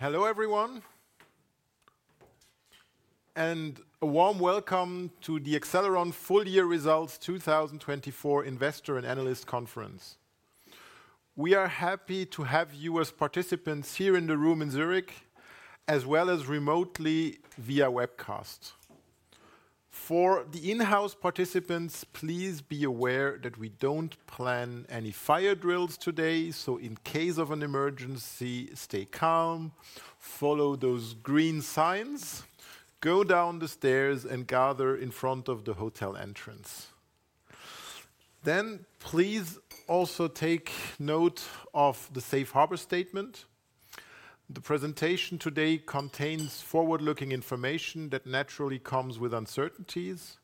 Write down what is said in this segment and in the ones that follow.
Hello everyone, and a warm welcome to the Accelleron Full Year Results 2024 Investor and Analyst Conference. We are happy to have you as participants here in the room in Zurich, as well as remotely via webcast. For the in-house participants, please be aware that we do not plan any fire drills today, so in case of an emergency, stay calm, follow those green signs, go down the stairs, and gather in front of the hotel entrance. Please also take note of the Safe Harbor Statement. The presentation today contains forward-looking information that naturally comes with uncertainties.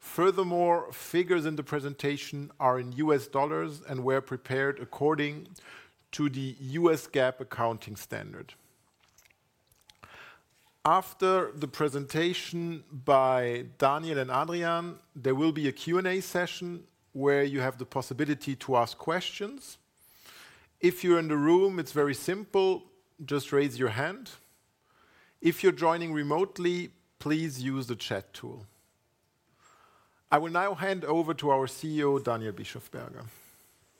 Furthermore, figures in the presentation are in U.S. dollars and were prepared according to the U.S. GAAP accounting standard. After the presentation by Daniel and Adrian, there will be a Q&A session where you have the possibility to ask questions. If you are in the room, it is very simple: just raise your hand. If you're joining remotely, please use the chat tool. I will now hand over to our CEO, Daniel Bischofberger.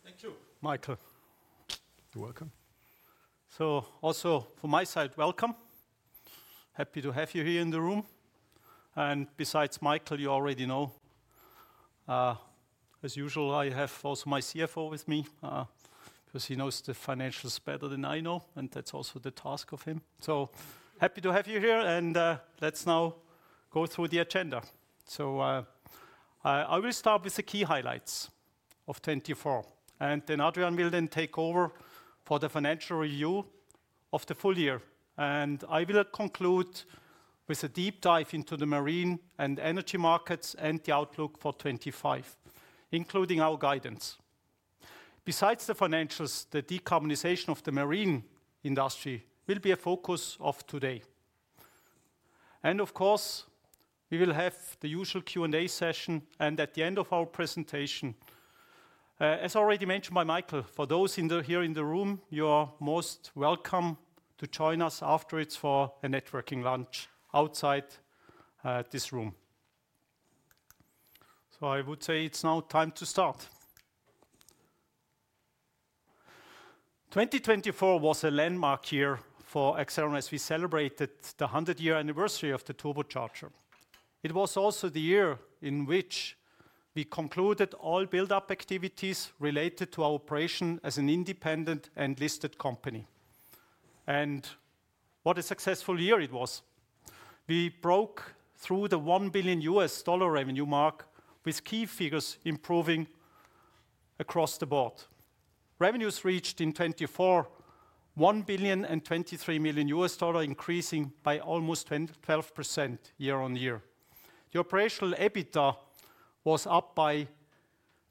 Thank you, Michael. You're welcome. Also from my side, welcome. Happy to have you here in the room. Besides Michael, you already know, as usual, I have also my CFO with me because he knows the financials better than I know, and that's also the task of him. Happy to have you here, and let's now go through the agenda. I will start with the key highlights of 2024, and then Adrian will then take over for the financial review of the full year. I will conclude with a deep dive into the marine and energy markets and the outlook for 2025, including our guidance. Besides the financials, the decarbonization of the marine industry will be a focus of today. Of course, we will have the usual Q&A session, and at the end of our presentation, as already mentioned by Michael, for those here in the room, you are most welcome to join us afterwards for a networking lunch outside this room. I would say it's now time to start. 2024 was a landmark year for Accelleron as we celebrated the 100-year anniversary of the turbocharger. It was also the year in which we concluded all build-up activities related to our operation as an independent and listed company. What a successful year it was. We broke through the $1 billion revenue mark with key figures improving across the board. Revenues reached in 2024 $1,023 million, increasing by almost 12% year-on-year. The operational EBITDA was up by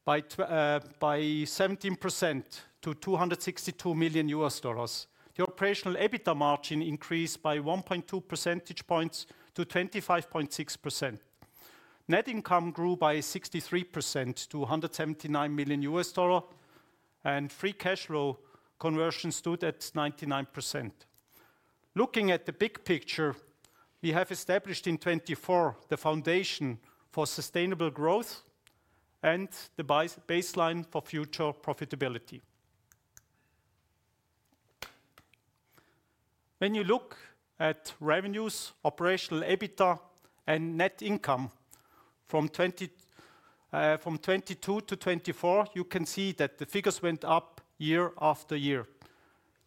17% to $262 million. The operational EBITDA margin increased by 1.2 percentage points to 25.6%. Net income grew by 63% to $179 million, and free cash flow conversion stood at 99%. Looking at the big picture, we have established in 2024 the foundation for sustainable growth and the baseline for future profitability. When you look at revenues, operational EBITDA, and net income from 2022-2024, you can see that the figures went up year-after-year.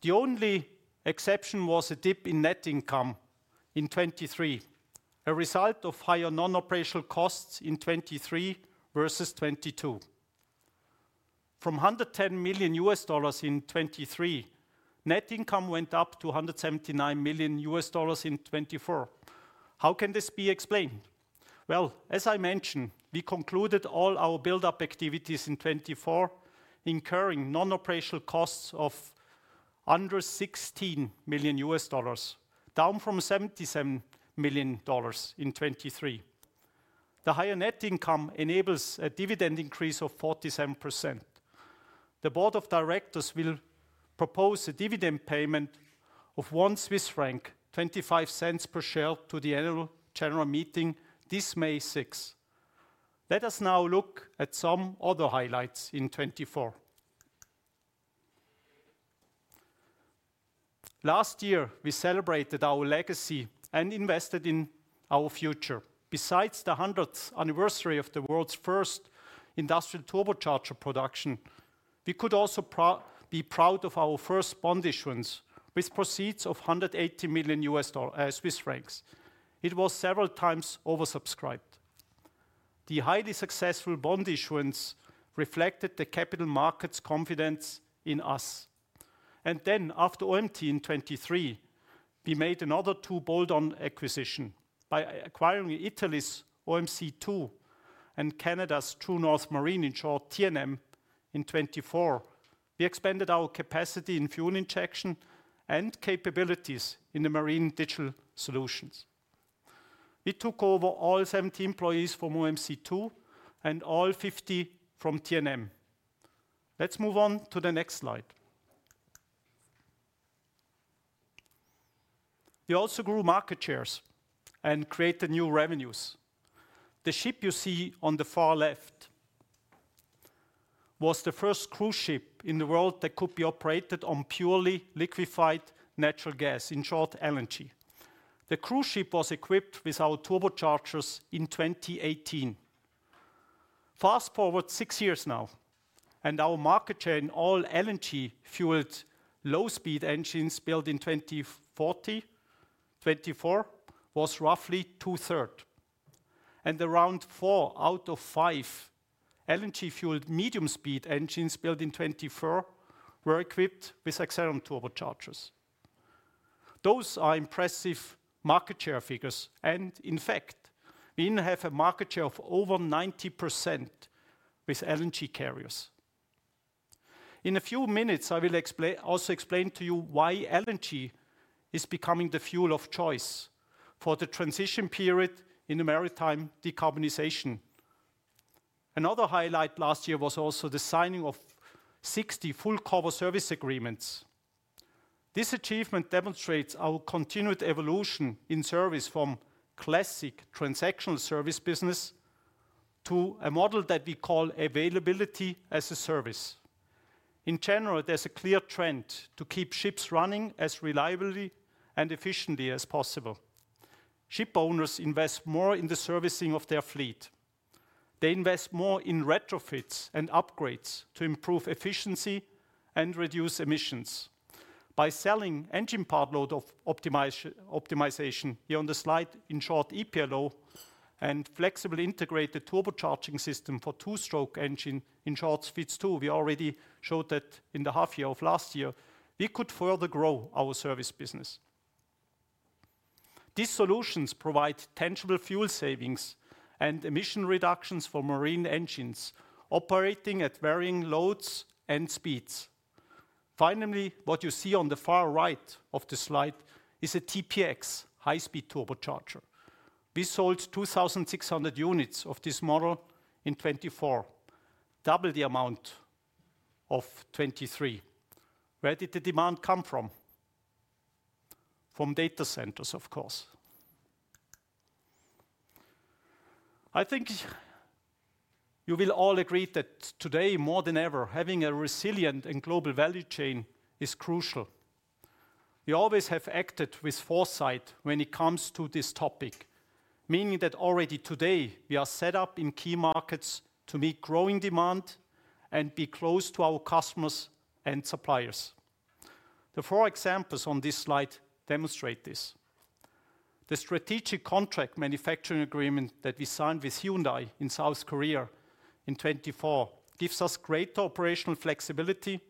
The only exception was a dip in net income in 2023, a result of higher non-operational costs in 2023 versus 2022. From $110 million in 2023, net income went up to $179 million in 2024. How can this be explained? As I mentioned, we concluded all our build-up activities in 2024, incurring non-operational costs of under $16 million, down from $77 million in 2023. The higher net income enables a dividend increase of 47%. The board of directors will propose a dividend payment of 1.25 Swiss franc per share to the general meeting this May 6th. Let us now look at some other highlights in 2024. Last year, we celebrated our legacy and invested in our future. Besides the 100th anniversary of the world's first industrial turbocharger production, we could also be proud of our first bond issuance with proceeds of CHF 180 million. It was several times oversubscribed. The highly successful bond issuance reflected the capital markets' confidence in us. After OMT in 2023, we made another two bold acquisitions by acquiring Italy's OMC2 and Canada's True North Marine, in short TNM, in 2024. We expanded our capacity in fuel injection and capabilities in the marine digital solutions. We took over all 70 employees from OMC2 and all 50 from TNM. Let's move on to the next slide. We also grew market shares and created new revenues. The ship you see on the far left was the first cruise ship in the world that could be operated on purely liquefied natural gas, in short LNG. The cruise ship was equipped with our turbochargers in 2018. Fast forward six years now, and our market share in all LNG-fueled low-speed engines built in 2020-2024 was roughly two-thirds. Around four out of five LNG-fueled medium-speed engines built in 2024 were equipped with Accelleron turbochargers. Those are impressive market share figures, and in fact, we now have a market share of over 90% with LNG carriers. In a few minutes, I will also explain to you why LNG is becoming the fuel of choice for the transition period in the maritime decarbonization. Another highlight last year was also the signing of 60 full cover service agreements. This achievement demonstrates our continued evolution in service from classic transactional service business to a model that we call availability as a service. In general, there is a clear trend to keep ships running as reliably and efficiently as possible. Ship owners invest more in the servicing of their fleet. They invest more in retrofits and upgrades to improve efficiency and reduce emissions. By selling engine part load optimization, here on the slide, in short, EPLO, and flexible integrated turbocharging system for two-stroke engine, in short, FiTS2, we already showed that in the half year of last year, we could further grow our service business. These solutions provide tangible fuel savings and emission reductions for marine engines operating at varying loads and speeds. Finally, what you see on the far right of the slide is a TPX high-speed turbocharger. We sold 2,600 units of this model in 2024, double the amount of 2023. Where did the demand come from? From data centers, of course. I think you will all agree that today, more than ever, having a resilient and global value chain is crucial. We always have acted with foresight when it comes to this topic, meaning that already today, we are set up in key markets to meet growing demand and be close to our customers and suppliers. The four examples on this slide demonstrate this. The strategic contract manufacturing agreement that we signed with Hyundai in South Korea in 2024 gives us greater operational flexibility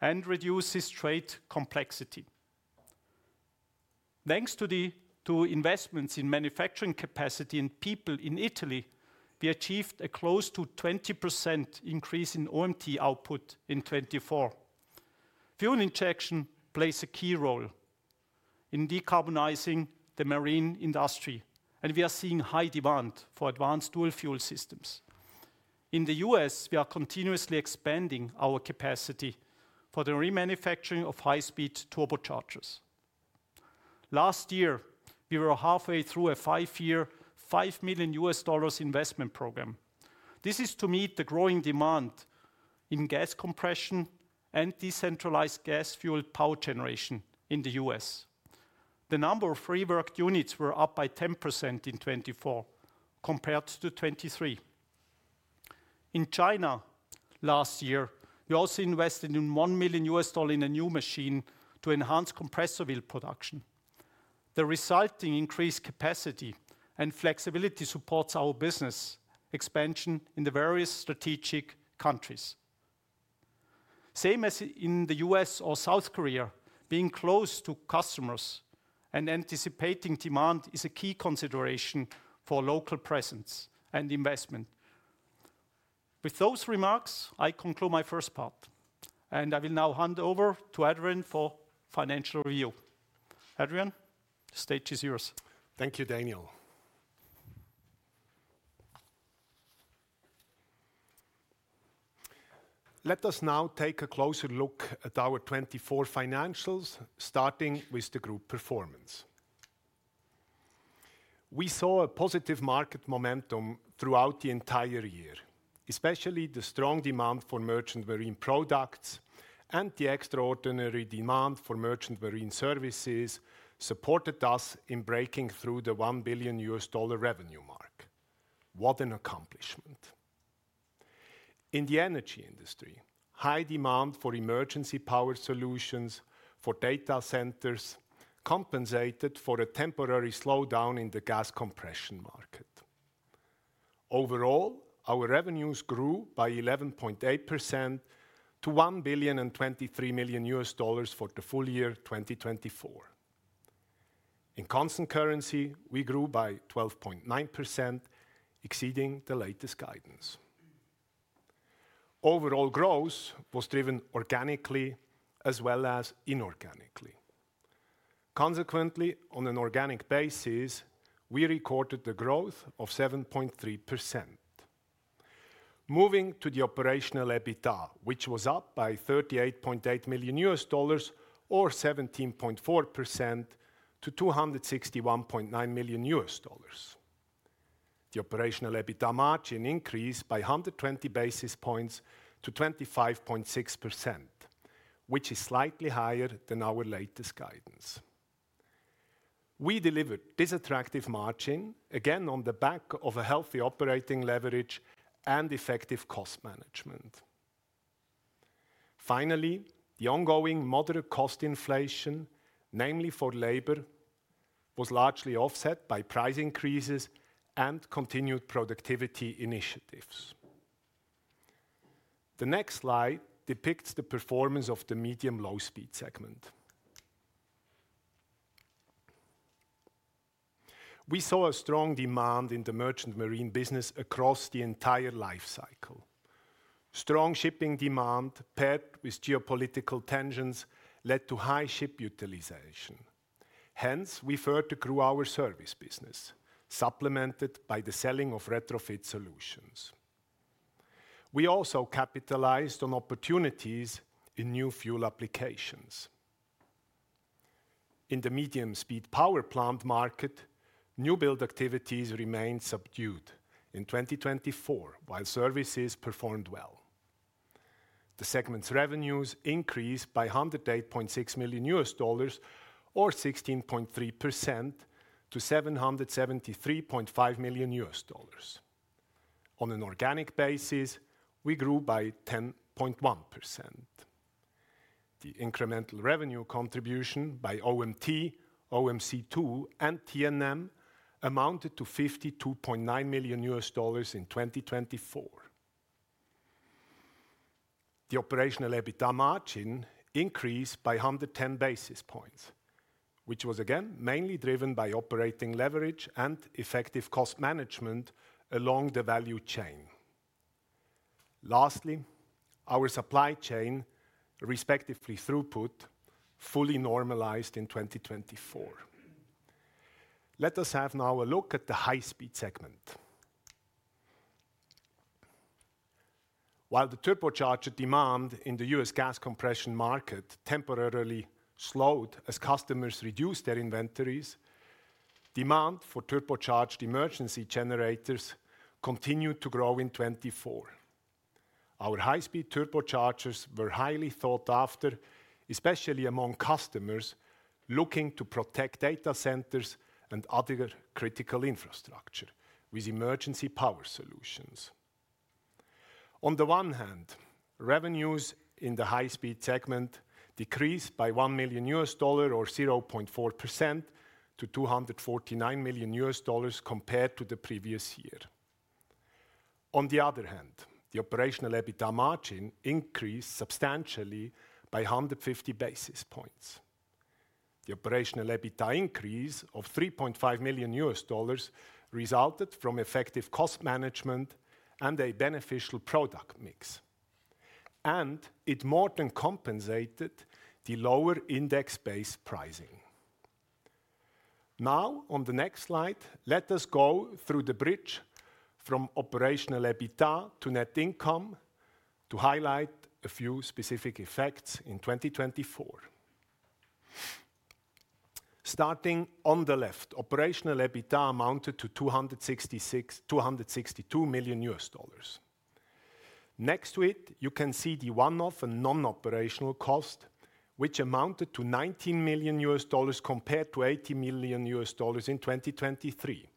and reduces trade complexity. Thanks to investments in manufacturing capacity and people in Italy, we achieved a close to 20% increase in OMT output in 2024. Fuel injection plays a key role in decarbonizing the marine industry, and we are seeing high demand for advanced dual fuel systems. In the U.S., we are continuously expanding our capacity for the remanufacturing of high-speed turbochargers. Last year, we were halfway through a five-year, $5 million investment program. This is to meet the growing demand in gas compression and decentralized gas fuel power generation in the U.S. The number of reworked units was up by 10% in 2024 compared to 2023. In China last year, we also invested $1 million in a new machine to enhance compressor wheel production. The resulting increased capacity and flexibility supports our business expansion in the various strategic countries. Same as in the U.S. or South Korea, being close to customers and anticipating demand is a key consideration for local presence and investment. With those remarks, I conclude my first part, and I will now hand over to Adrian for financial review. Adrian, the stage is yours. Thank you, Daniel. Let us now take a closer look at our 2024 financials, starting with the group performance. We saw a positive market momentum throughout the entire year, especially the strong demand for merchant marine products and the extraordinary demand for merchant marine services supported us in breaking through the $1 billion revenue mark. What an accomplishment. In the energy industry, high demand for emergency power solutions for data centers compensated for a temporary slowdown in the gas compression market. Overall, our revenues grew by 11.8% to $1,023 million for the full year 2024. In constant currency, we grew by 12.9%, exceeding the latest guidance. Overall growth was driven organically as well as inorganically. Consequently, on an organic basis, we recorded the growth of 7.3%. Moving to the operational EBITDA, which was up by $38.8 million or 17.4% to $261.9 million. The operational EBITDA margin increased by 120 basis points to 25.6%, which is slightly higher than our latest guidance. We delivered this attractive margin, again on the back of a healthy operating leverage and effective cost management. Finally, the ongoing moderate cost inflation, namely for labor, was largely offset by price increases and continued productivity initiatives. The next slide depicts the performance of the medium low-speed segment. We saw a strong demand in the merchant marine business across the entire life cycle. Strong shipping demand paired with geopolitical tensions led to high ship utilization. Hence, we further grew our service business, supplemented by the selling of retrofit solutions. We also capitalized on opportunities in new fuel applications. In the medium-speed power plant market, new build activities remained subdued in 2024 while services performed well. The segment's revenues increased by $108.6 million or 16.3% to $773.5 million. On an organic basis, we grew by 10.1%. The incremental revenue contribution by OMT, OMC2, and TNM amounted to $52.9 million in 2024. The operational EBITDA margin increased by 110 basis points, which was again mainly driven by operating leverage and effective cost management along the value chain. Lastly, our supply chain, respectively throughput, fully normalized in 2024. Let us have now a look at the high-speed segment. While the turbocharger demand in the U.S. gas compression market temporarily slowed as customers reduced their inventories, demand for turbocharged emergency generators continued to grow in 2024. Our high-speed turbochargers were highly sought after, especially among customers looking to protect data centers and other critical infrastructure with emergency power solutions. On the one hand, revenues in the high-speed segment decreased by $1 million or 0.4% to $249 million compared to the previous year. On the other hand, the operational EBITDA margin increased substantially by 150 basis points. The operational EBITDA increase of $3.5 million resulted from effective cost management and a beneficial product mix, and it more than compensated the lower index-based pricing. Now, on the next slide, let us go through the bridge from operational EBITDA to net income to highlight a few specific effects in 2024. Starting on the left, operational EBITDA amounted to $262 million. Next to it, you can see the one-off and non-operational cost, which amounted to $19 million compared to $80 million in 2023.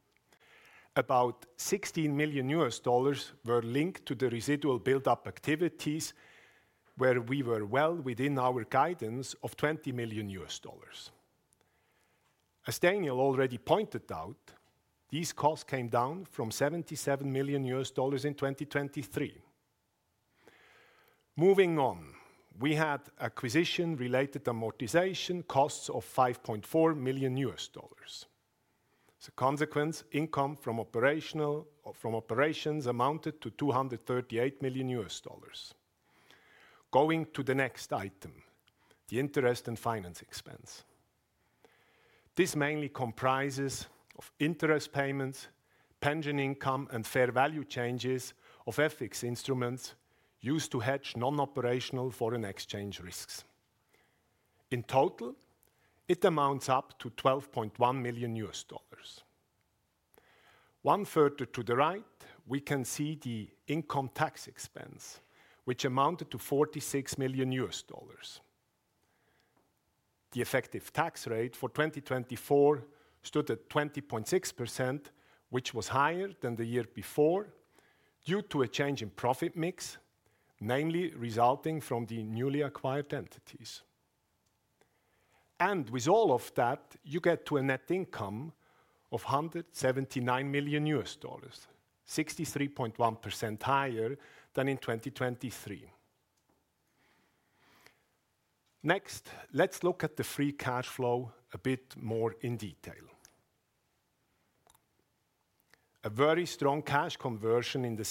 About $16 million were linked to the residual build-up activities, where we were well within our guidance of $20 million. As Daniel already pointed out, these costs came down from $77 million in 2023. Moving on, we had acquisition-related amortization costs of $5.4 million. As a consequence, income from operations amounted to $238 million. Going to the next item, the interest and finance expense. This mainly comprises of interest payments, pension income, and fair value changes of FX instruments used to hedge non-operational foreign exchange risks. In total, it amounts up to $12.1 million. One further to the right, we can see the income tax expense, which amounted to $46 million. The effective tax rate for 2024 stood at 20.6%, which was higher than the year before due to a change in profit mix, namely resulting from the newly acquired entities. With all of that, you get to a net income of $179 million, 63.1% higher than in 2023. Next, let's look at the free cash flow a bit more in detail. A very strong cash conversion in the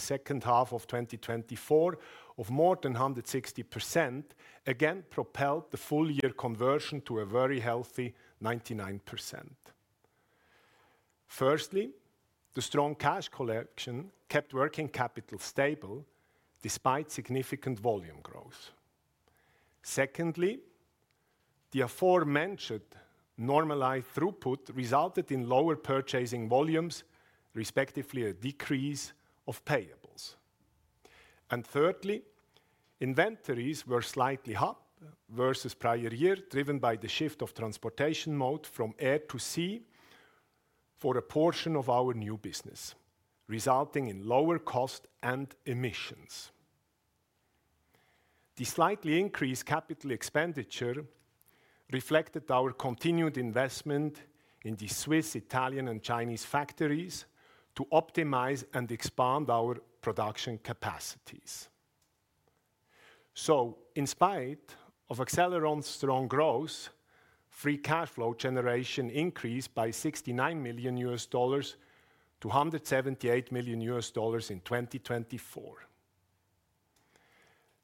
second half of 2024 of more than 160% again propelled the full year conversion to a very healthy 99%. Firstly, the strong cash collection kept working capital stable despite significant volume growth. Secondly, the aforementioned normalized throughput resulted in lower purchasing volumes, respectively a decrease of payables. Thirdly, inventories were slightly up versus prior year, driven by the shift of transportation mode from air to sea for a portion of our new business, resulting in lower cost and emissions. The slightly increased capital expenditure reflected our continued investment in the Swiss, Italian, and Chinese factories to optimize and expand our production capacities. In spite of Accelleron's strong growth, free cash flow generation increased by $69 million to $178 million in 2024.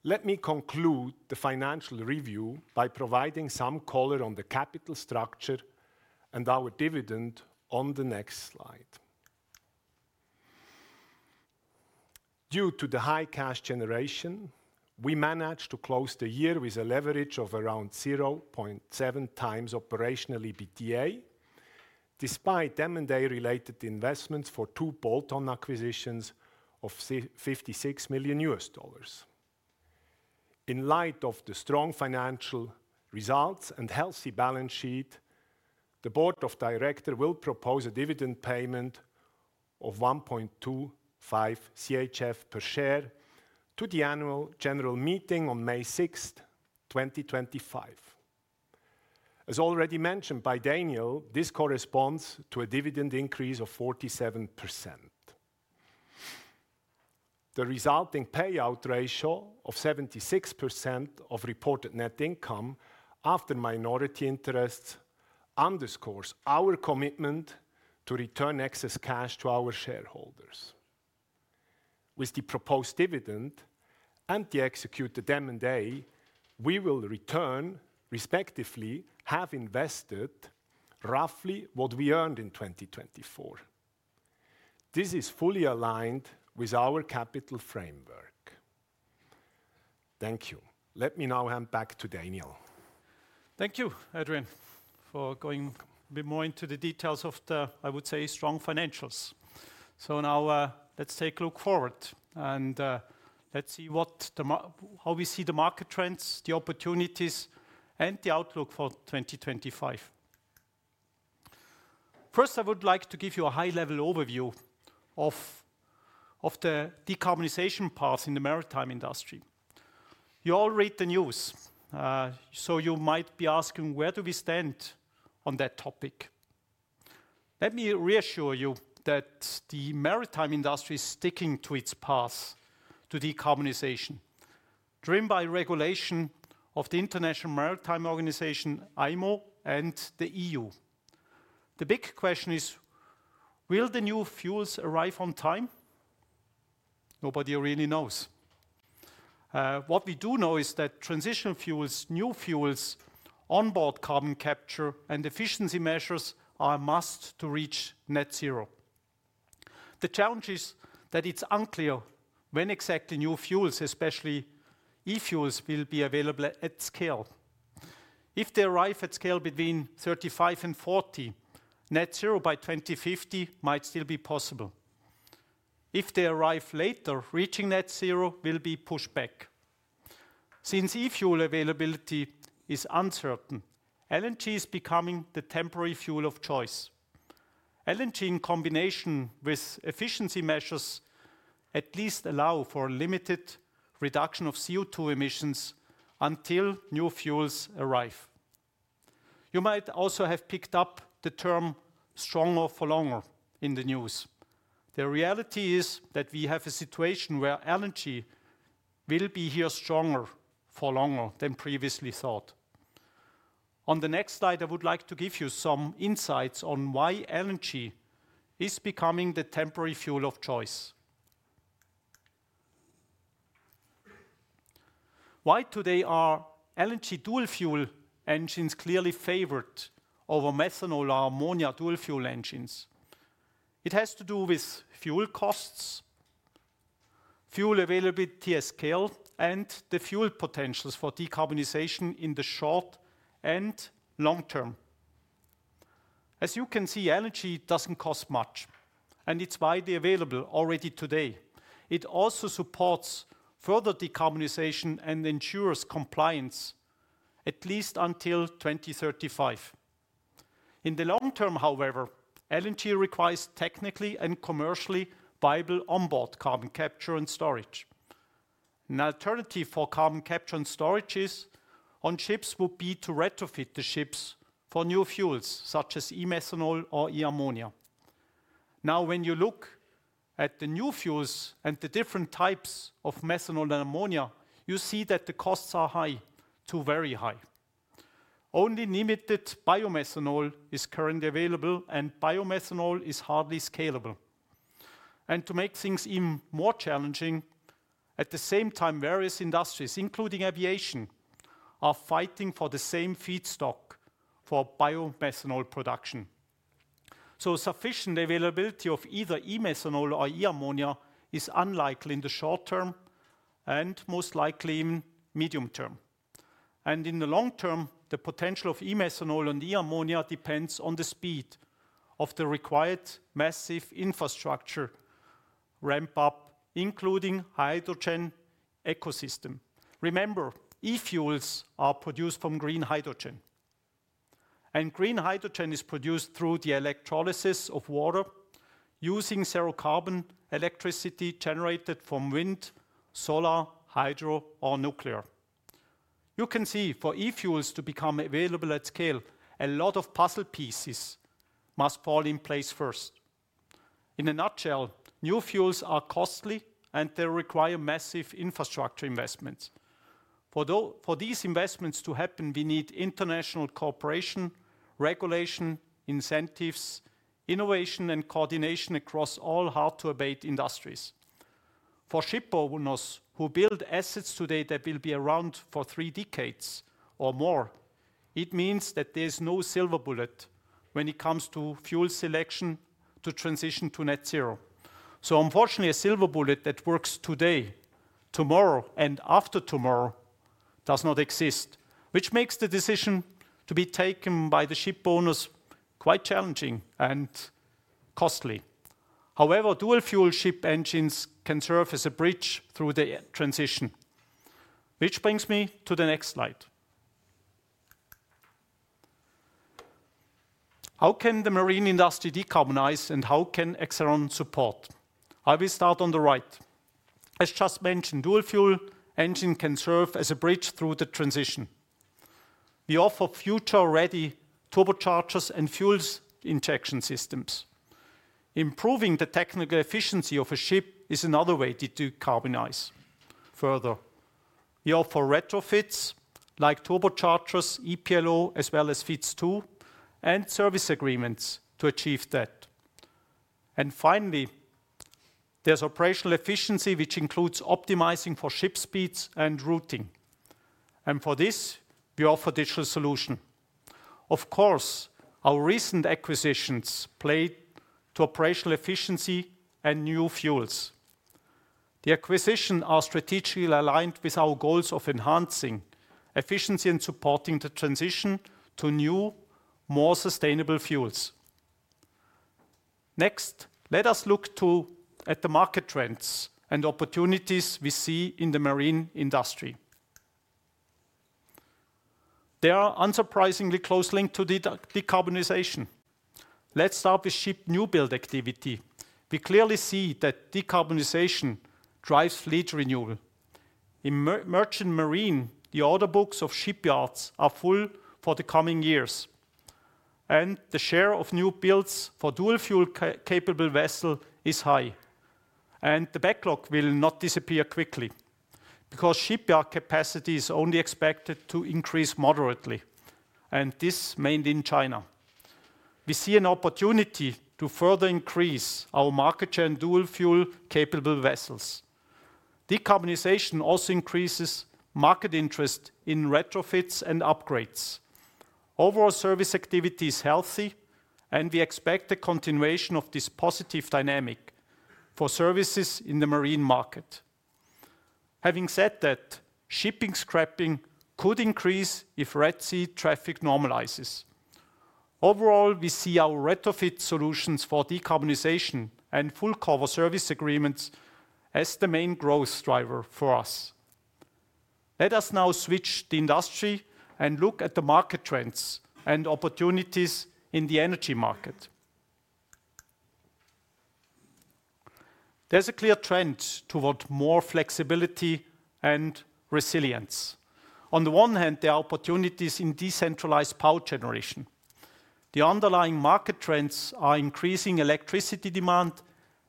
Let me conclude the financial review by providing some color on the capital structure and our dividend on the next slide. Due to the high cash generation, we managed to close the year with a leverage of around 0.7x operational EBITDA, despite M&A-related investments for two bolt-on acquisitions of $56 million. In light of the strong financial results and healthy balance sheet, the Board of Directors will propose a dividend payment of 1.25 CHF per share to the annual general meeting on May 6, 2025. As already mentioned by Daniel, this corresponds to a dividend increase of 47%. The resulting payout ratio of 76% of reported net income after minority interests underscores our commitment to return excess cash to our shareholders. With the proposed dividend and the executed M&A, we will return, respectively, have invested roughly what we earned in 2024. This is fully aligned with our capital framework. Thank you. Let me now hand back to Daniel. Thank you, Adrian, for going a bit more into the details of the, I would say, strong financials. Now let's take a look forward and let's see how we see the market trends, the opportunities, and the outlook for 2025. First, I would like to give you a high-level overview of the decarbonization path in the maritime industry. You all read the news, so you might be asking, where do we stand on that topic? Let me reassure you that the maritime industry is sticking to its path to decarbonization, driven by regulation of the International Maritime Organization, IMO, and the EU. The big question is, will the new fuels arrive on time? Nobody really knows. What we do know is that transition fuels, new fuels, onboard carbon capture, and efficiency measures are a must to reach net zero. The challenge is that it's unclear when exactly new fuels, especially e-fuels, will be available at scale. If they arrive at scale between 2035 and 2040, net zero by 2050 might still be possible. If they arrive later, reaching net zero will be pushed back. Since e-fuel availability is uncertain, LNG is becoming the temporary fuel of choice. LNG, in combination with efficiency measures, at least allows for a limited reduction of CO2 emissions until new fuels arrive. You might also have picked up the term "stronger for longer" in the news. The reality is that we have a situation where LNG will be here stronger for longer than previously thought. On the next slide, I would like to give you some insights on why LNG is becoming the temporary fuel of choice. Why today are LNG dual fuel engines clearly favored over methanol or ammonia dual fuel engines? It has to do with fuel costs, fuel availability at scale, and the fuel potentials for decarbonization in the short and long term. As you can see, LNG does not cost much, and it is widely available already today. It also supports further decarbonization and ensures compliance, at least until 2035. In the long term, however, LNG requires technically and commercially viable onboard carbon capture and storage. An alternative for carbon capture and storage on ships would be to retrofit the ships for new fuels such as E-methanol or E-ammonia. Now, when you look at the new fuels and the different types of methanol and ammonia, you see that the costs are high to very high. Only limited biomethanol is currently available, and biomethanol is hardly scalable. To make things even more challenging, at the same time, various industries, including aviation, are fighting for the same feedstock for biomethanol production. Sufficient availability of either E-methanol or E-ammonia is unlikely in the short term and most likely in the medium term. In the long term, the potential of E-methanol and E-ammonia depends on the speed of the required massive infrastructure ramp-up, including the hydrogen ecosystem. Remember, e-fuels are produced from green hydrogen, and green hydrogen is produced through the electrolysis of water using zero carbon electricity generated from wind, solar, hydro, or nuclear. You can see, for e-fuels to become available at scale, a lot of puzzle pieces must fall in place first. In a nutshell, new fuels are costly, and they require massive infrastructure investments. For these investments to happen, we need international cooperation, regulation, incentives, innovation, and coordination across all hard-to-abate industries. For shipowners who build assets today that will be around for three decades or more, it means that there is no silver bullet when it comes to fuel selection to transition to net zero. Unfortunately, a silver bullet that works today, tomorrow, and after tomorrow does not exist, which makes the decision to be taken by the shipowners quite challenging and costly. However, dual fuel ship engines can serve as a bridge through the transition, which brings me to the next slide. How can the marine industry decarbonize, and how can Accelleron support? I will start on the right. As just mentioned, dual fuel engines can serve as a bridge through the transition. We offer future-ready turbochargers and fuel injection systems. Improving the technical efficiency of a ship is another way to decarbonize further. We offer retrofits like turbochargers, EPLO, as well as FiTS2 and service agreements to achieve that. Finally, there is operational efficiency, which includes optimizing for ship speeds and routing. For this, we offer digital solutions. Of course, our recent acquisitions played to operational efficiency and new fuels. The acquisitions are strategically aligned with our goals of enhancing efficiency and supporting the transition to new, more sustainable fuels. Next, let us look at the market trends and opportunities we see in the marine industry. They are unsurprisingly closely linked to decarbonization. Let us start with ship new build activity. We clearly see that decarbonization drives lead renewal. In merchant marine, the order books of shipyards are full for the coming years, and the share of new builds for dual fuel-capable vessels is high. The backlog will not disappear quickly because shipyard capacity is only expected to increase moderately, and this is mainly in China. We see an opportunity to further increase our market share in dual fuel-capable vessels. Decarbonization also increases market interest in retrofits and upgrades. Overall, service activity is healthy, and we expect a continuation of this positive dynamic for services in the marine market. Having said that, shipping scrapping could increase if Red Sea traffic normalizes. Overall, we see our retrofit solutions for decarbonization and full cover service agreements as the main growth driver for us. Let us now switch the industry and look at the market trends and opportunities in the energy market. There is a clear trend toward more flexibility and resilience. On the one hand, there are opportunities in decentralized power generation. The underlying market trends are increasing electricity demand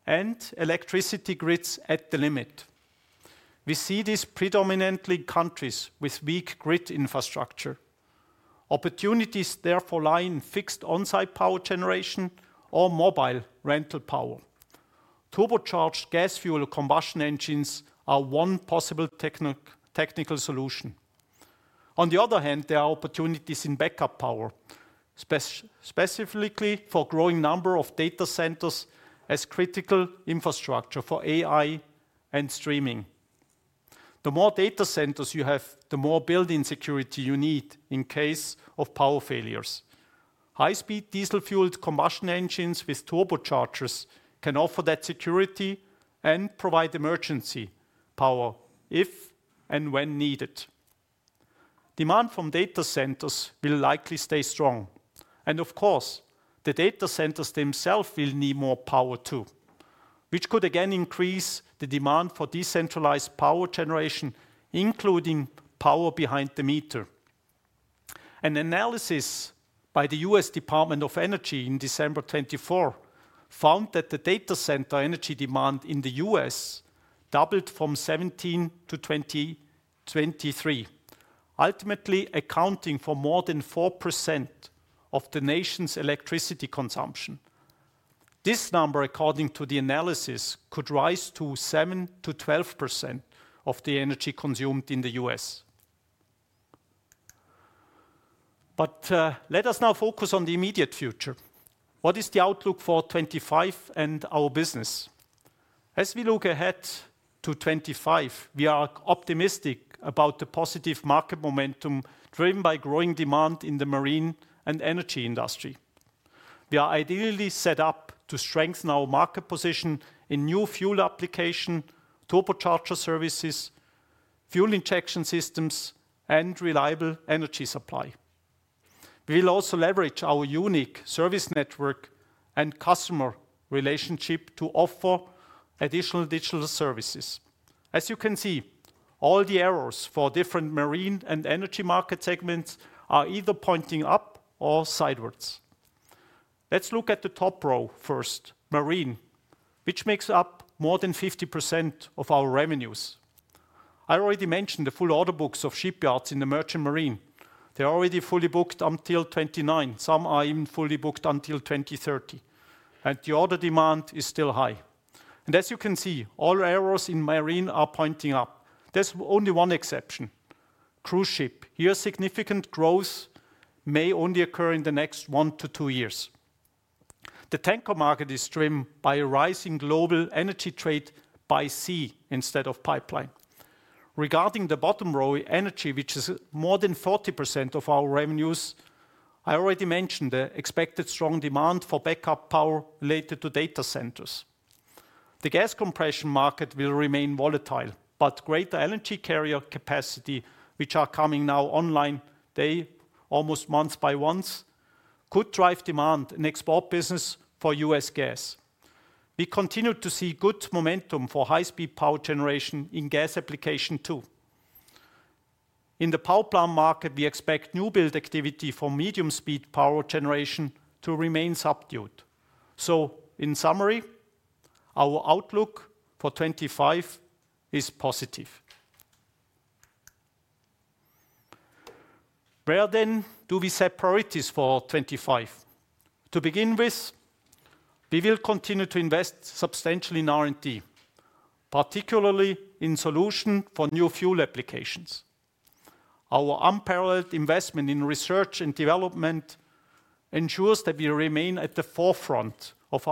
and electricity grids at the limit. We see this predominantly in countries with weak grid infrastructure. Opportunities therefore lie in fixed onsite power generation or mobile rental power. Turbocharged gas fuel combustion engines are one possible technical solution. On the other hand, there are opportunities in backup power, specifically for a growing number of data centers as critical infrastructure for AI and streaming. The more data centers you have, the more building security you need in case of power failures. High-speed diesel-fueled combustion engines with turbochargers can offer that security and provide emergency power if and when needed. Demand from data centers will likely stay strong. Of course, the data centers themselves will need more power too, which could again increase the demand for decentralized power generation, including power behind the meter. An analysis by the U.S. Department of Energy in December 2024 found that the data center energy demand in the U.S. doubled from 2017-2023, ultimately accounting for more than 4% of the nation's electricity consumption. This number, according to the analysis, could rise to 7%-12% of the energy consumed in the U.S. Let us now focus on the immediate future. What is the outlook for 2025 and our business? As we look ahead to 2025, we are optimistic about the positive market momentum driven by growing demand in the marine and energy industry. We are ideally set up to strengthen our market position in new fuel application, turbocharger services, fuel injection systems, and reliable energy supply. We will also leverage our unique service network and customer relationship to offer additional digital services. As you can see, all the arrows for different marine and energy market segments are either pointing up or sidewards. Let's look at the top row first, marine, which makes up more than 50% of our revenues. I already mentioned the full order books of shipyards in the merchant marine. They are already fully booked until 2029. Some are even fully booked until 2030, and the order demand is still high. As you can see, all arrows in marine are pointing up. There is only one exception: cruise ship. Here, significant growth may only occur in the next one to two years. The tanker market is trimmed by a rising global energy trade by sea instead of pipeline. Regarding the bottom row, energy, which is more than 40% of our revenues, I already mentioned the expected strong demand for backup power related to data centers. The gas compression market will remain volatile, but greater energy carrier capacity, which are coming now online almost month-by-month, could drive demand in export business for U.S. gas. We continue to see good momentum for high-speed power generation in gas application too. In the power plant market, we expect new build activity for medium-speed power generation to remain subdued. In summary, our outlook for 2025 is positive. Where then do we set priorities for 2025? To begin with, we will continue to invest substantially in R&D, particularly in solutions for new fuel applications. Our unparalleled investment in research and development ensures that we remain at the forefront of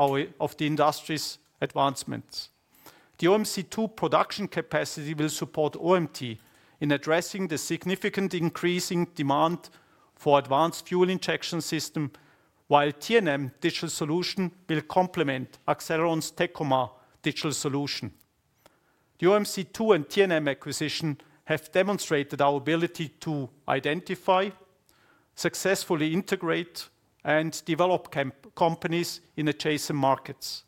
the industry's advancements. The OMC2 production capacity will support OMT in addressing the significant increasing demand for advanced fuel injection systems, while TNM digital solution will complement Accelleron's Tekomar digital solution. The OMC2 and TNM acquisition have demonstrated our ability to identify, successfully integrate, and develop companies in adjacent markets.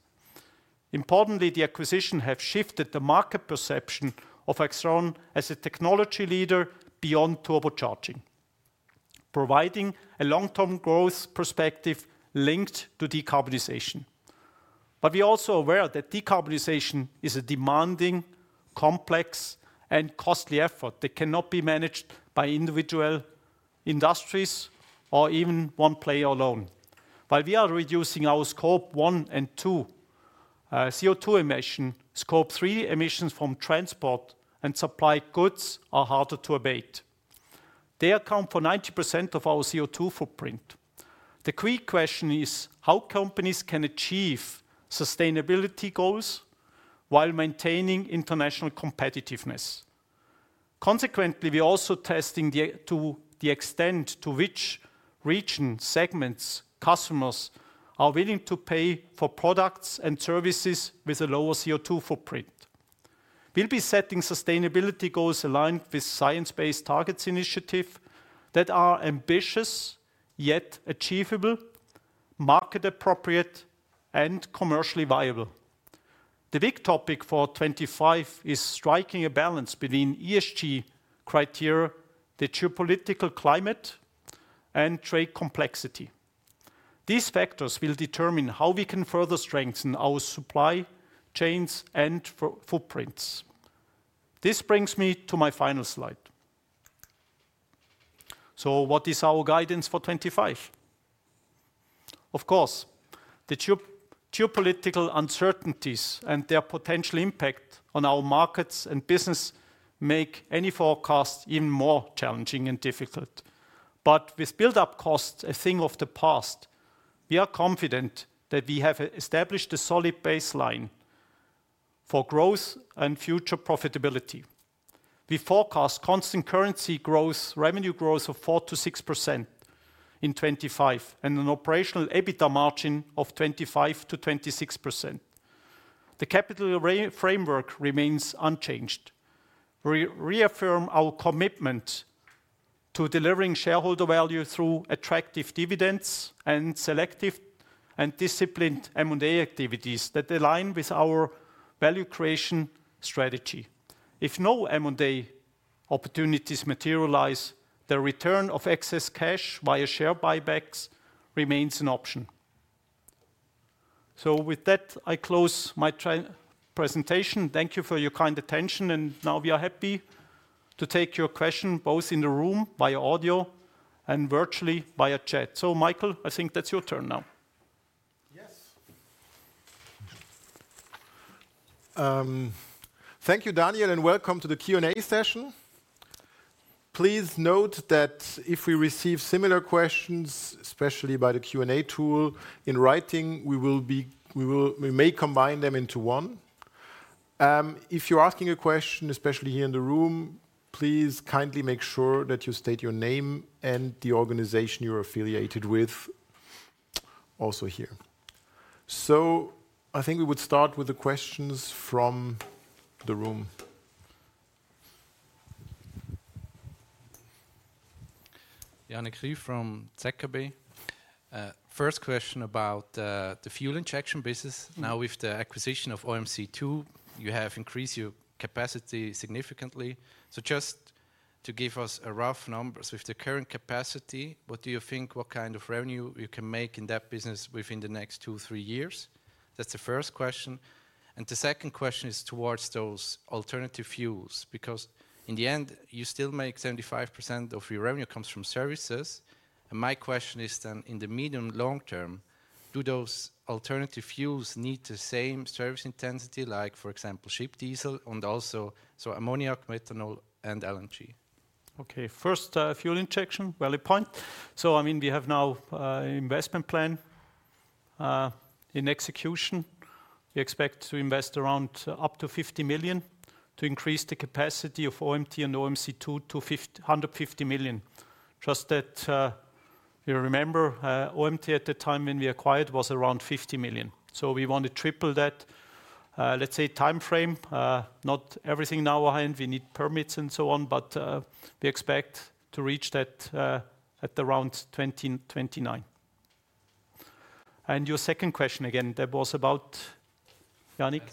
Importantly, the acquisition has shifted the market perception of Accelleron as a technology leader beyond turbocharging, providing a long-term growth perspective linked to decarbonization. We are also aware that decarbonization is a demanding, complex, and costly effort that cannot be managed by individual industries or even one player alone. While we are reducing our scope one and two CO2 emissions, scope three emissions from transport and supply goods are harder to abate. They account for 90% of our CO2 footprint. The key question is how companies can achieve sustainability goals while maintaining international competitiveness. Consequently, we are also testing to the extent to which region segments customers are willing to pay for products and services with a lower CO2 footprint. We'll be setting sustainability goals aligned with the Science-Based Targets Initiative that are ambitious yet achievable, market-appropriate, and commercially viable. The big topic for 2025 is striking a balance between ESG criteria, the geopolitical climate, and trade complexity. These factors will determine how we can further strengthen our supply chains and footprints. This brings me to my final slide. What is our guidance for 2025? Of course, the geopolitical uncertainties and their potential impact on our markets and business make any forecast even more challenging and difficult. With build-up costs a thing of the past, we are confident that we have established a solid baseline for growth and future profitability. We forecast constant currency growth, revenue growth of 4%-6% in 2025, and an operational EBITDA margin of 25%-26%. The capital framework remains unchanged. We reaffirm our commitment to delivering shareholder value through attractive dividends and selective and disciplined M&A activities that align with our value creation strategy. If no M&A opportunities materialize, the return of excess cash via share buybacks remains an option. With that, I close my presentation. Thank you for your kind attention. We are happy to take your question both in the room via audio and virtually via chat. Michael, I think that's your turn now. Thank you, Daniel, and welcome to the Q&A session. Please note that if we receive similar questions, especially by the Q&A tool in writing, we may combine them into one. If you're asking a question, especially here in the room, please kindly make sure that you state your name and the organization you're affiliated with also here. I think we would start with the questions from the room. Janik Rüegg from ZKB. First question about the fuel injection business. Now, with the acquisition of OMC2, you have increased your capacity significantly. Just to give us rough numbers, with the current capacity, what do you think what kind of revenue you can make in that business within the next two, three years? That is the first question. The second question is towards those alternative fuels, because in the end, you still make 75% of your revenue comes from services. My question is then, in the medium and long term, do those alternative fuels need the same service intensity, like, for example, ship diesel and also ammonia, methanol, and LNG? Okay, first fuel injection, valid point. I mean, we have now an investment plan in execution. We expect to invest around up to 50 million to increase the capacity of OMT and OMC2 to 150 million. Just that you remember, OMT at the time when we acquired was around 50 million. We want to triple that, let's say, timeframe. Not everything now, and we need permits and so on, but we expect to reach that at around 2029. Your second question again, that was about, Janik?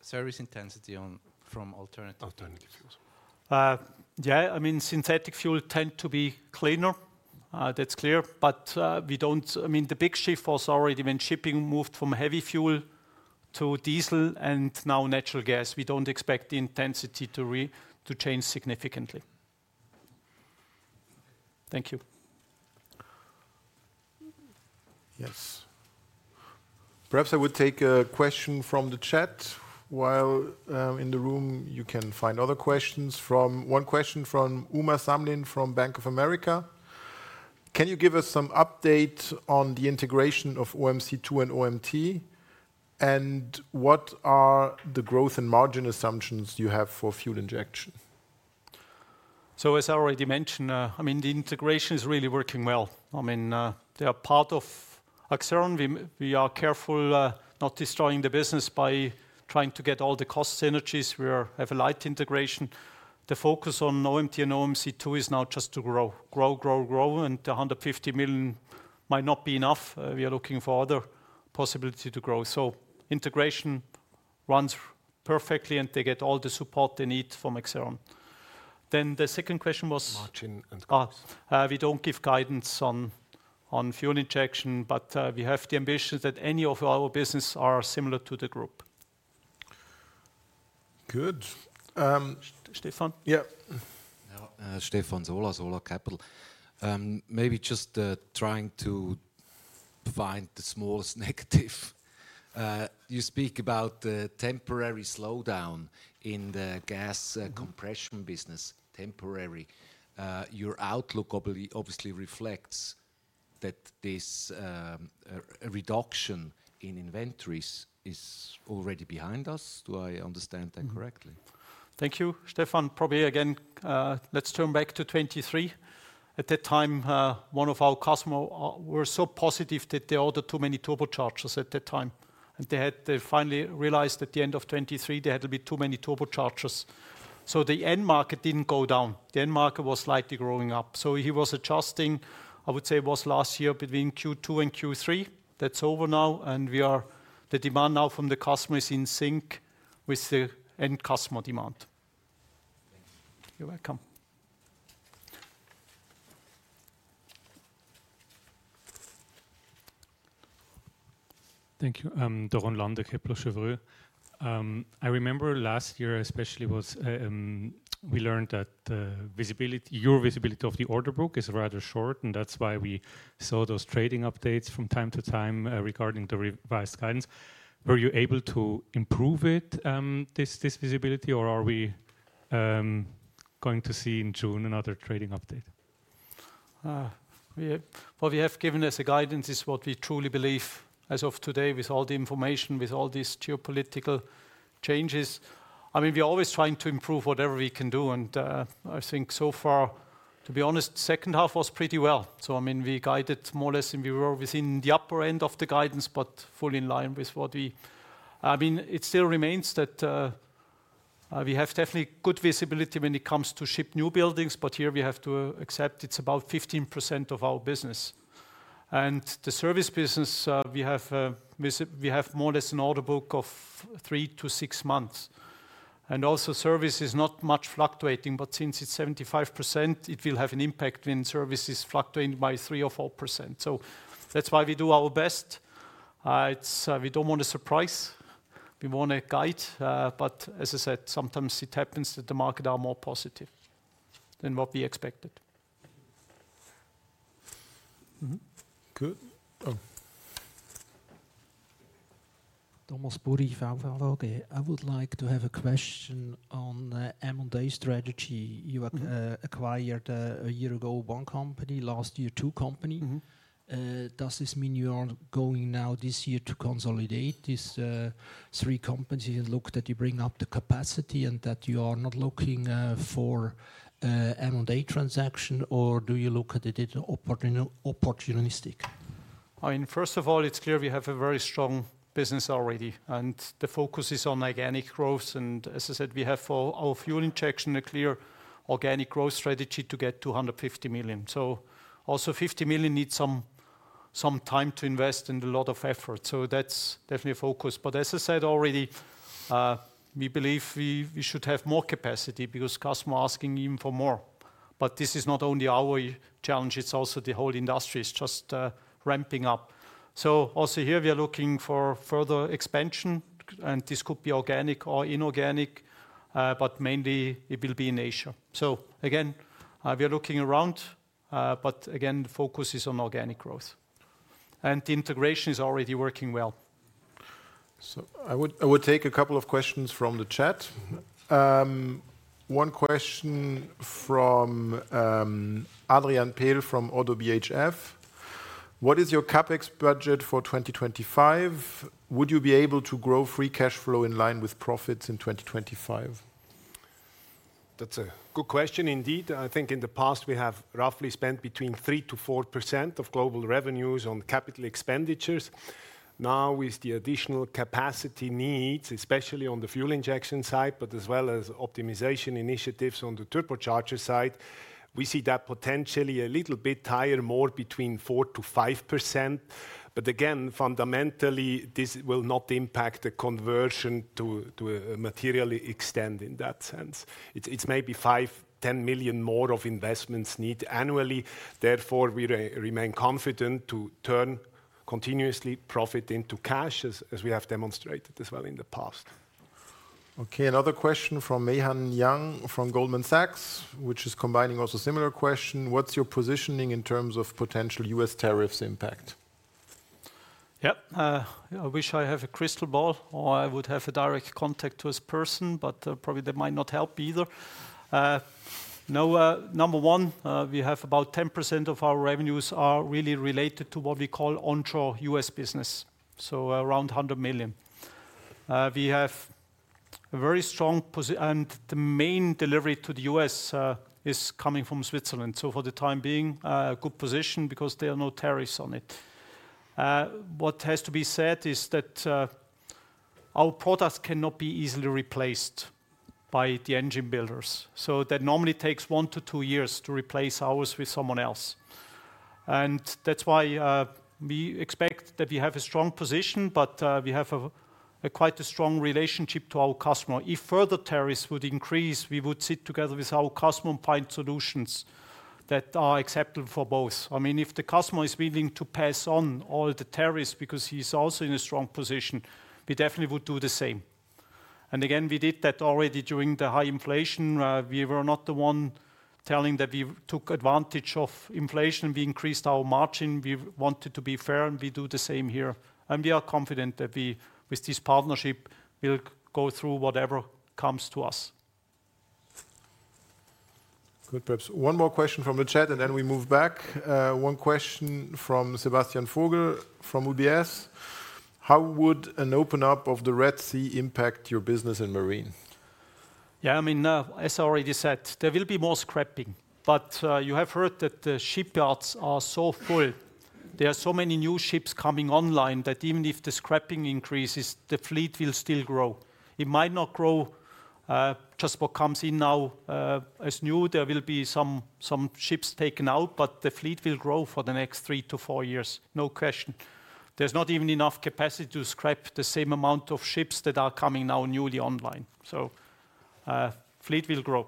Service intensity from alternative fuels. Yeah, I mean, synthetic fuel tend to be cleaner. That's clear. We don't, I mean, the big shift was already when shipping moved from heavy fuel to diesel and now natural gas. We don't expect the intensity to change significantly. Thank you. Yes. Perhaps I would take a question from the chat while in the room. You can find other questions. One question from Uma Samlin from Bank of America. Can you give us some update on the integration of OMC2 and OMT, and what are the growth and margin assumptions you have for fuel injection? As I already mentioned, I mean, the integration is really working well. I mean, they are part of Accelleron. We are careful not destroying the business by trying to get all the cost synergies. We have a light integration. The focus on OMT and OMC2 is now just to grow, grow, grow, grow, and 150 million might not be enough. We are looking for other possibilities to grow. Integration runs perfectly, and they get all the support they need from Accelleron. The second question was... Margin and cost. We do not give guidance on fuel injection, but we have the ambition that any of our businesses are similar to the group. Good. Stephan? Yeah. Stephan Sola, Solar Capital. Maybe just trying to find the smallest negative. You speak about the temporary slowdown in the gas compression business, temporary. Your outlook obviously reflects that this reduction in inventories is already behind us. Do I understand that correctly? Thank you, Stefan. Probably again, let's turn back to 2023. At that time, one of our customers was so positive that they ordered too many turbochargers at that time. And they had finally realized at the end of 2023, they had a bit too many turbochargers. The end market did not go down. The end market was slightly growing up. He was adjusting, I would say it was last year between Q2 and Q3. That's over now. The demand now from the customer is in sync with the end customer demand. You're welcome. Thank you, Doron Lande Kepler Cheuvreux. I remember last year especially was we learned that your visibility of the order book is rather short, and that's why we saw those trading updates from time to time regarding the revised guidance. Were you able to improve this visibility, or are we going to see in June another trading update? What we have given as a guidance is what we truly believe as of today, with all the information, with all these geopolitical changes. I mean, we're always trying to improve whatever we can do. I think so far, to be honest, the second half was pretty well. I mean, we guided more or less, and we were within the upper end of the guidance, but fully in line with what we... I mean, it still remains that we have definitely good visibility when it comes to ship new buildings, but here we have to accept it's about 15% of our business. The service business, we have more or less an order book of three months-six months. Also, service is not much fluctuating, but since it's 75%, it will have an impact when service is fluctuating by 3% or 4%. That's why we do our best. We don't want a surprise. We want a guide. As I said, sometimes it happens that the markets are more positive than what we expected. Good. [Thomas Burri, FAV]. I would like to have a question on the M&A strategy. You acquired a year ago one company, last year two companies. Does this mean you are going now this year to consolidate these three companies and look that you bring up the capacity and that you are not looking for M&A transactions, or do you look at it opportunistically? I mean, first of all, it's clear we have a very strong business already, and the focus is on organic growth. And as I said, we have for our fuel injection a clear organic growth strategy to get to 150 million. Also, 50 million needs some time to invest and a lot of effort. That's definitely a focus. As I said already, we believe we should have more capacity because customers are asking even for more. This is not only our challenge, it's also the whole industry is just ramping up. Also here we are looking for further expansion, and this could be organic or inorganic, but mainly it will be in Asia. Again, we are looking around, but the focus is on organic growth. The integration is already working well. I would take a couple of questions from the chat. One question from Adrian Pehl from Oddo BHF. What is your CapEx budget for 2025? Would you be able to grow free cash flow in line with profits in 2025? That is a good question indeed. I think in the past we have roughly spent between 3%-4% of global revenues on capital expenditures. Now, with the additional capacity needs, especially on the fuel injection side, as well as optimization initiatives on the turbocharger side, we see that potentially a little bit higher, more between 4%-5%. Again, fundamentally, this will not impact the conversion to a material extent in that sense. It is maybe 5 million-10 million more of investments needed annually. Therefore, we remain confident to turn continuously profit into cash, as we have demonstrated as well in the past. Okay, another question from Meihan Yang from Goldman Sachs, which is combining also a similar question. What is your positioning in terms of potential US tariffs impact? I wish I had a crystal ball or I would have a direct contact to this person, but probably that might not help either. No. Number one, we have about 10% of our revenues really related to what we call onshore U.S. business, so around $100 million. We have a very strong position, and the main delivery to the U.S. is coming from Switzerland. For the time being, a good position because there are no tariffs on it. What has to be said is that our products cannot be easily replaced by the engine builders. That normally takes one to two years to replace ours with someone else. That is why we expect that we have a strong position, but we have quite a strong relationship to our customer. If further tariffs would increase, we would sit together with our customer and find solutions that are acceptable for both. I mean, if the customer is willing to pass on all the tariffs because he is also in a strong position, we definitely would do the same. Again, we did that already during the high inflation. We were not the one telling that we took advantage of inflation. We increased our margin. We wanted to be fair, and we do the same here. We are confident that with this partnership, we'll go through whatever comes to us. Good, perhaps. One more question from the chat, and then we move back. One question from Sebastian Vogel from UBS. How would an open-up of the Red Sea impact your business in marine? I mean, as I already said, there will be more scrapping. You have heard that the shipyards are so full. There are so many new ships coming online that even if the scrapping increases, the fleet will still grow. It might not grow just what comes in now as new. There will be some ships taken out, but the fleet will grow for the next three to four years, no question. There is not even enough capacity to scrap the same amount of ships that are coming now newly online. Fleet will grow.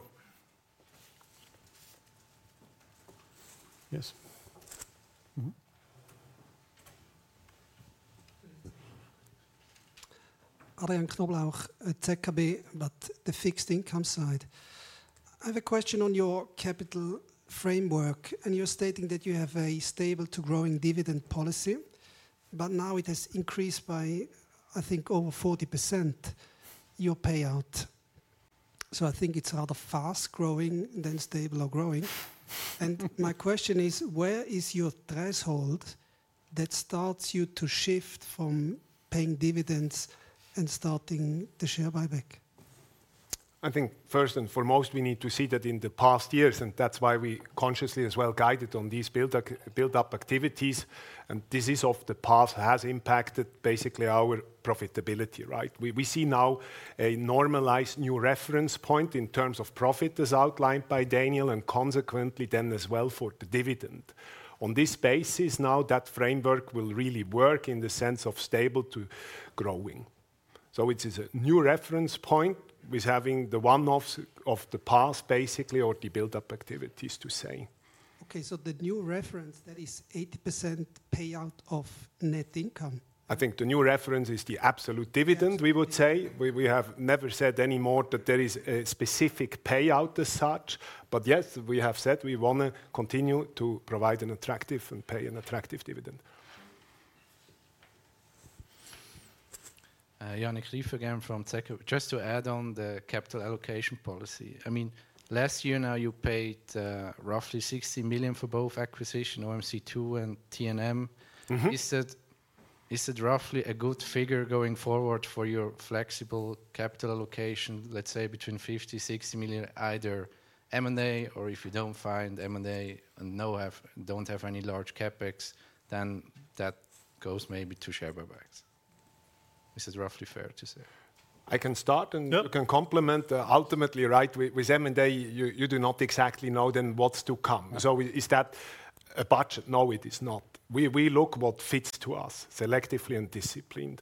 Adrian Knoblauch, ZKB, but the fixed income side. I have a question on your capital framework, and you're stating that you have a stable to growing dividend policy, but now it has increased by, I think, over 40% your payout. I think it's rather fast growing than stable or growing. My question is, where is your threshold that starts you to shift from paying dividends and starting the share buyback? I think first and foremost, we need to see that in the past years, and that's why we consciously as well guided on these build-up activities. This is of the past has impacted basically our profitability, right? We see now a normalized new reference point in terms of profit as outlined by Daniel, and consequently then as well for the dividend. On this basis, now that framework will really work in the sense of stable to growing.It is a new reference point with having the one-offs of the past basically, or the build-up activities to say. Okay, the new reference, that is 80% payout of net income. I think the new reference is the absolute dividend, we would say. We have never said anymore that there is a specific payout as such, but yes, we have said we want to continue to provide an attractive and pay an attractive dividend. Janik Rüegg again from Zeckerbe. Just to add on the capital allocation policy. I mean, last year now you paid roughly 60 million for both acquisitions, OMC2 and TNM. Is that roughly a good figure going forward for your flexible capital allocation, let's say between 50-60 million, either M&A or if you do not find M&A and do not have any large CapEx, then that goes maybe to share buybacks. Is it roughly fair to say? I can start and you can complement ultimately, right? With M&A, you do not exactly know then what's to come. Is that a budget? No, it is not. We look what fits to us selectively and disciplined.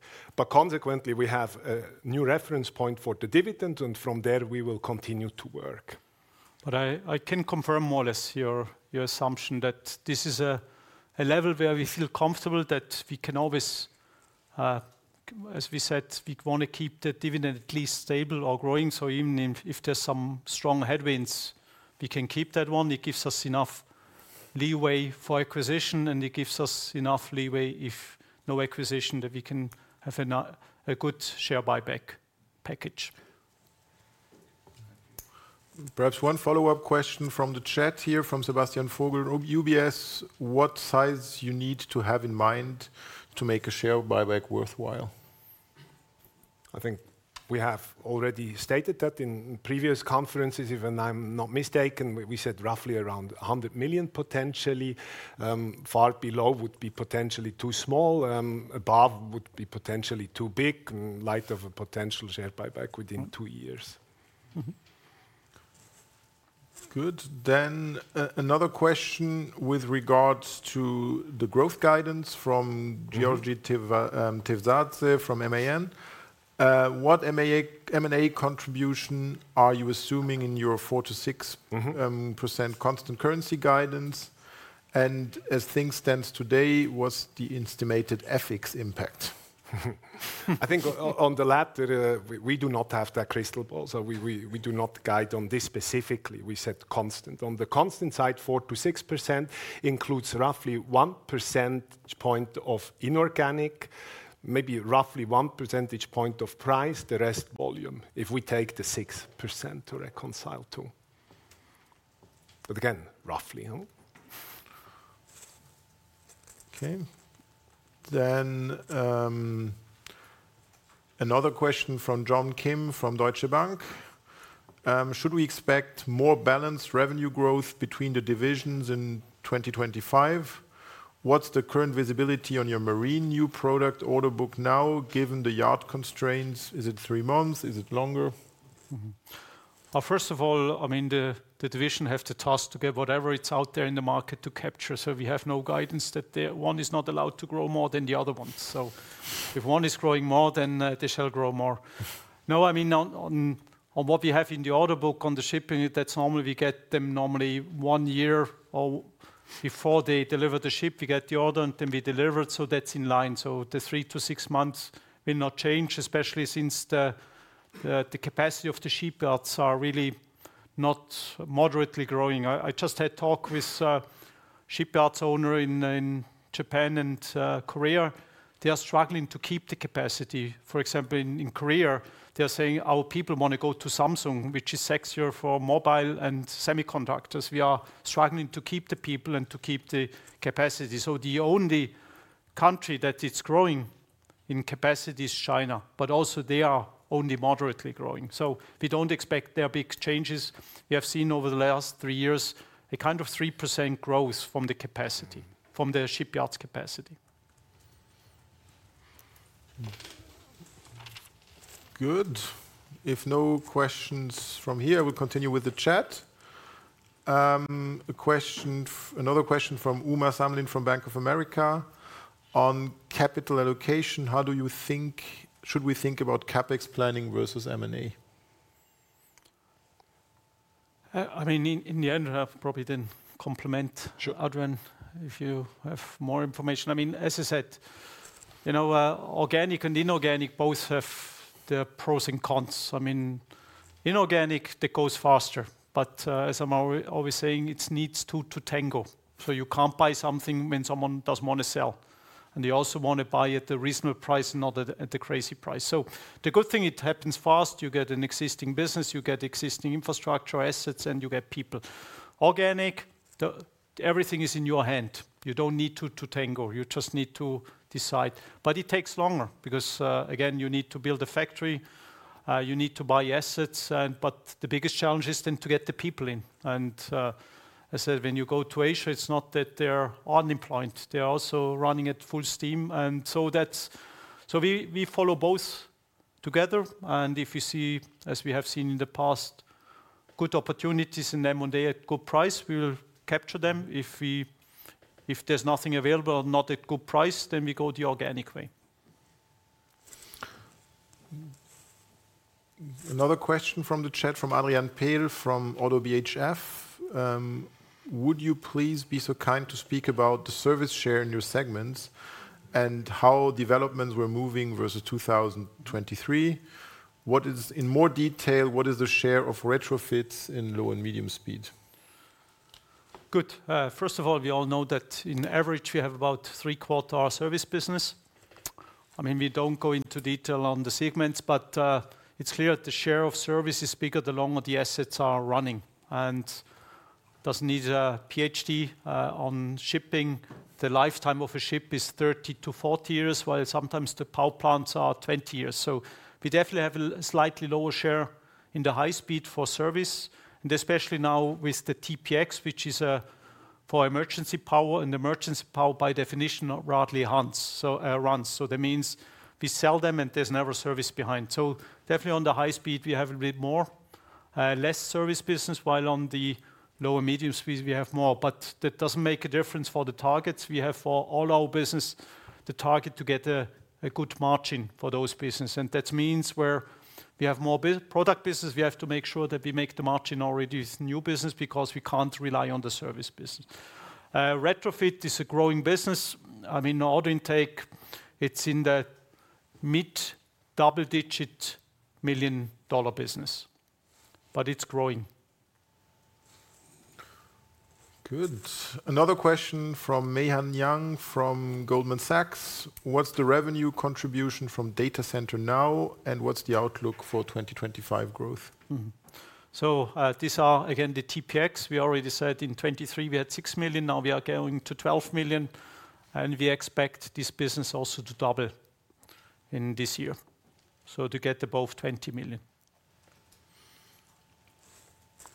Consequently, we have a new reference point for the dividend, and from there we will continue to work. I can confirm more or less your assumption that this is a level where we feel comfortable that we can always, as we said, we want to keep the dividend at least stable or growing. Even if there's some strong headwinds, we can keep that one. It gives us enough leeway for acquisition, and it gives us enough leeway if no acquisition that we can have a good share buyback package. Perhaps one follow-up question from the chat here from Sebastian Vogel. UBS, what size do you need to have in mind to make a share buyback worthwhile? I think we have already stated that in previous conferences, if I'm not mistaken, we said roughly around 100 million potentially. Far below would be potentially too small. Above would be potentially too big in light of a potential share buyback within two years. Good. Another question with regards to the growth guidance from [Georgi Tevzade from MAN]. What M&A contribution are you assuming in your 4%-6% constant currency guidance? As things stand today, what's the estimated FX impact? I think on the latter, we do not have that crystal ball. We do not guide on this specifically. We said constant. On the constant side, 4%-6% includes roughly 1 percentage point of inorganic, maybe roughly 1 percentage point of price. The rest volume, if we take the 6% to reconcile to. Again, roughly. Okay. Another question from John Kim from Deutsche Bank. Should we expect more balanced revenue growth between the divisions in 2025? What's the current visibility on your marine new product order book now, given the yard constraints? Is it three months? Is it longer? First of all, I mean, the division has the task to get whatever is out there in the market to capture. We have no guidance that one is not allowed to grow more than the other one. If one is growing more, then they shall grow more. I mean, on what we have in the order book on the shipping, normally we get them one year before they deliver the ship, we get the order and then we deliver. That is in line. The three to six months will not change, especially since the capacity of the shipyards are really not moderately growing. I just had talk with shipyard owners in Japan and Korea. They are struggling to keep the capacity. For example, in Korea, they are saying our people want to go to Samsung, which is sexier for mobile and semiconductors. We are struggling to keep the people and to keep the capacity. The only country that is growing in capacity is China, but also they are only moderately growing. We do not expect there are big changes. We have seen over the last three years a kind of 3% growth from the capacity, from the shipyards capacity. Good. If no questions from here, we will continue with the chat. Another question from Uma Samlin from Bank of America. On capital allocation, how do you think should we think about CapEx planning versus M&A? I mean, in the end, I probably did not complement Adrian if you have more information. I mean, as I said, you know, organic and inorganic both have their pros and cons. I mean, inorganic, that goes faster. As I am always saying, it needs two to tango. You cannot buy something when someone does not want to sell. You also want to buy at the reasonable price and not at the crazy price. The good thing, it happens fast. You get an existing business, you get existing infrastructure assets, and you get people. Organic, everything is in your hand. You do not need to tango. You just need to decide. It takes longer because, again, you need to build a factory, you need to buy assets. The biggest challenge is then to get the people in. As I said, when you go to Asia, it's not that they're unemployed. They're also running at full steam. We follow both together. If you see, as we have seen in the past, good opportunities in M&A at good price, we will capture them. If there's nothing available or not at good price, then we go the organic way. Another question from the chat from Adrian Pehl from Oddo BHF. Would you please be so kind to speak about the service share in your segments and how developments were moving versus 2023? In more detail, what is the share of retrofits in low and medium speed? Good. First of all, we all know that in average, we have about three quarters of our service business. I mean, we don't go into detail on the segments, but it's clear that the share of service is bigger the longer the assets are running. It doesn't need a PhD on shipping. The lifetime of a ship is 30 years-40 years, while sometimes the power plants are 20 years. We definitely have a slightly lower share in the high speed for service. Especially now with the TPX, which is for emergency power, and emergency power by definition rarely runs. That means we sell them and there's never service behind. Definitely on the high speed, we have a bit more less service business, while on the lower medium speed, we have more. That doesn't make a difference for the targets. We have for all our business the target to get a good margin for those businesses. That means where we have more product business, we have to make sure that we make the margin already in new business because we can't rely on the service business. Retrofit is a growing business. I mean, order intake, it's in the mid double-digit million dollar business, but it's growing. Good. Another question from Meihan Yang from Goldman Sachs. What's the revenue contribution from data center now, and what's the outlook for 2025 growth? These are again the TPX. We already said in 2023, we had $6 million. Now we are going to $12 million, and we expect this business also to double in this year to get above $20 million.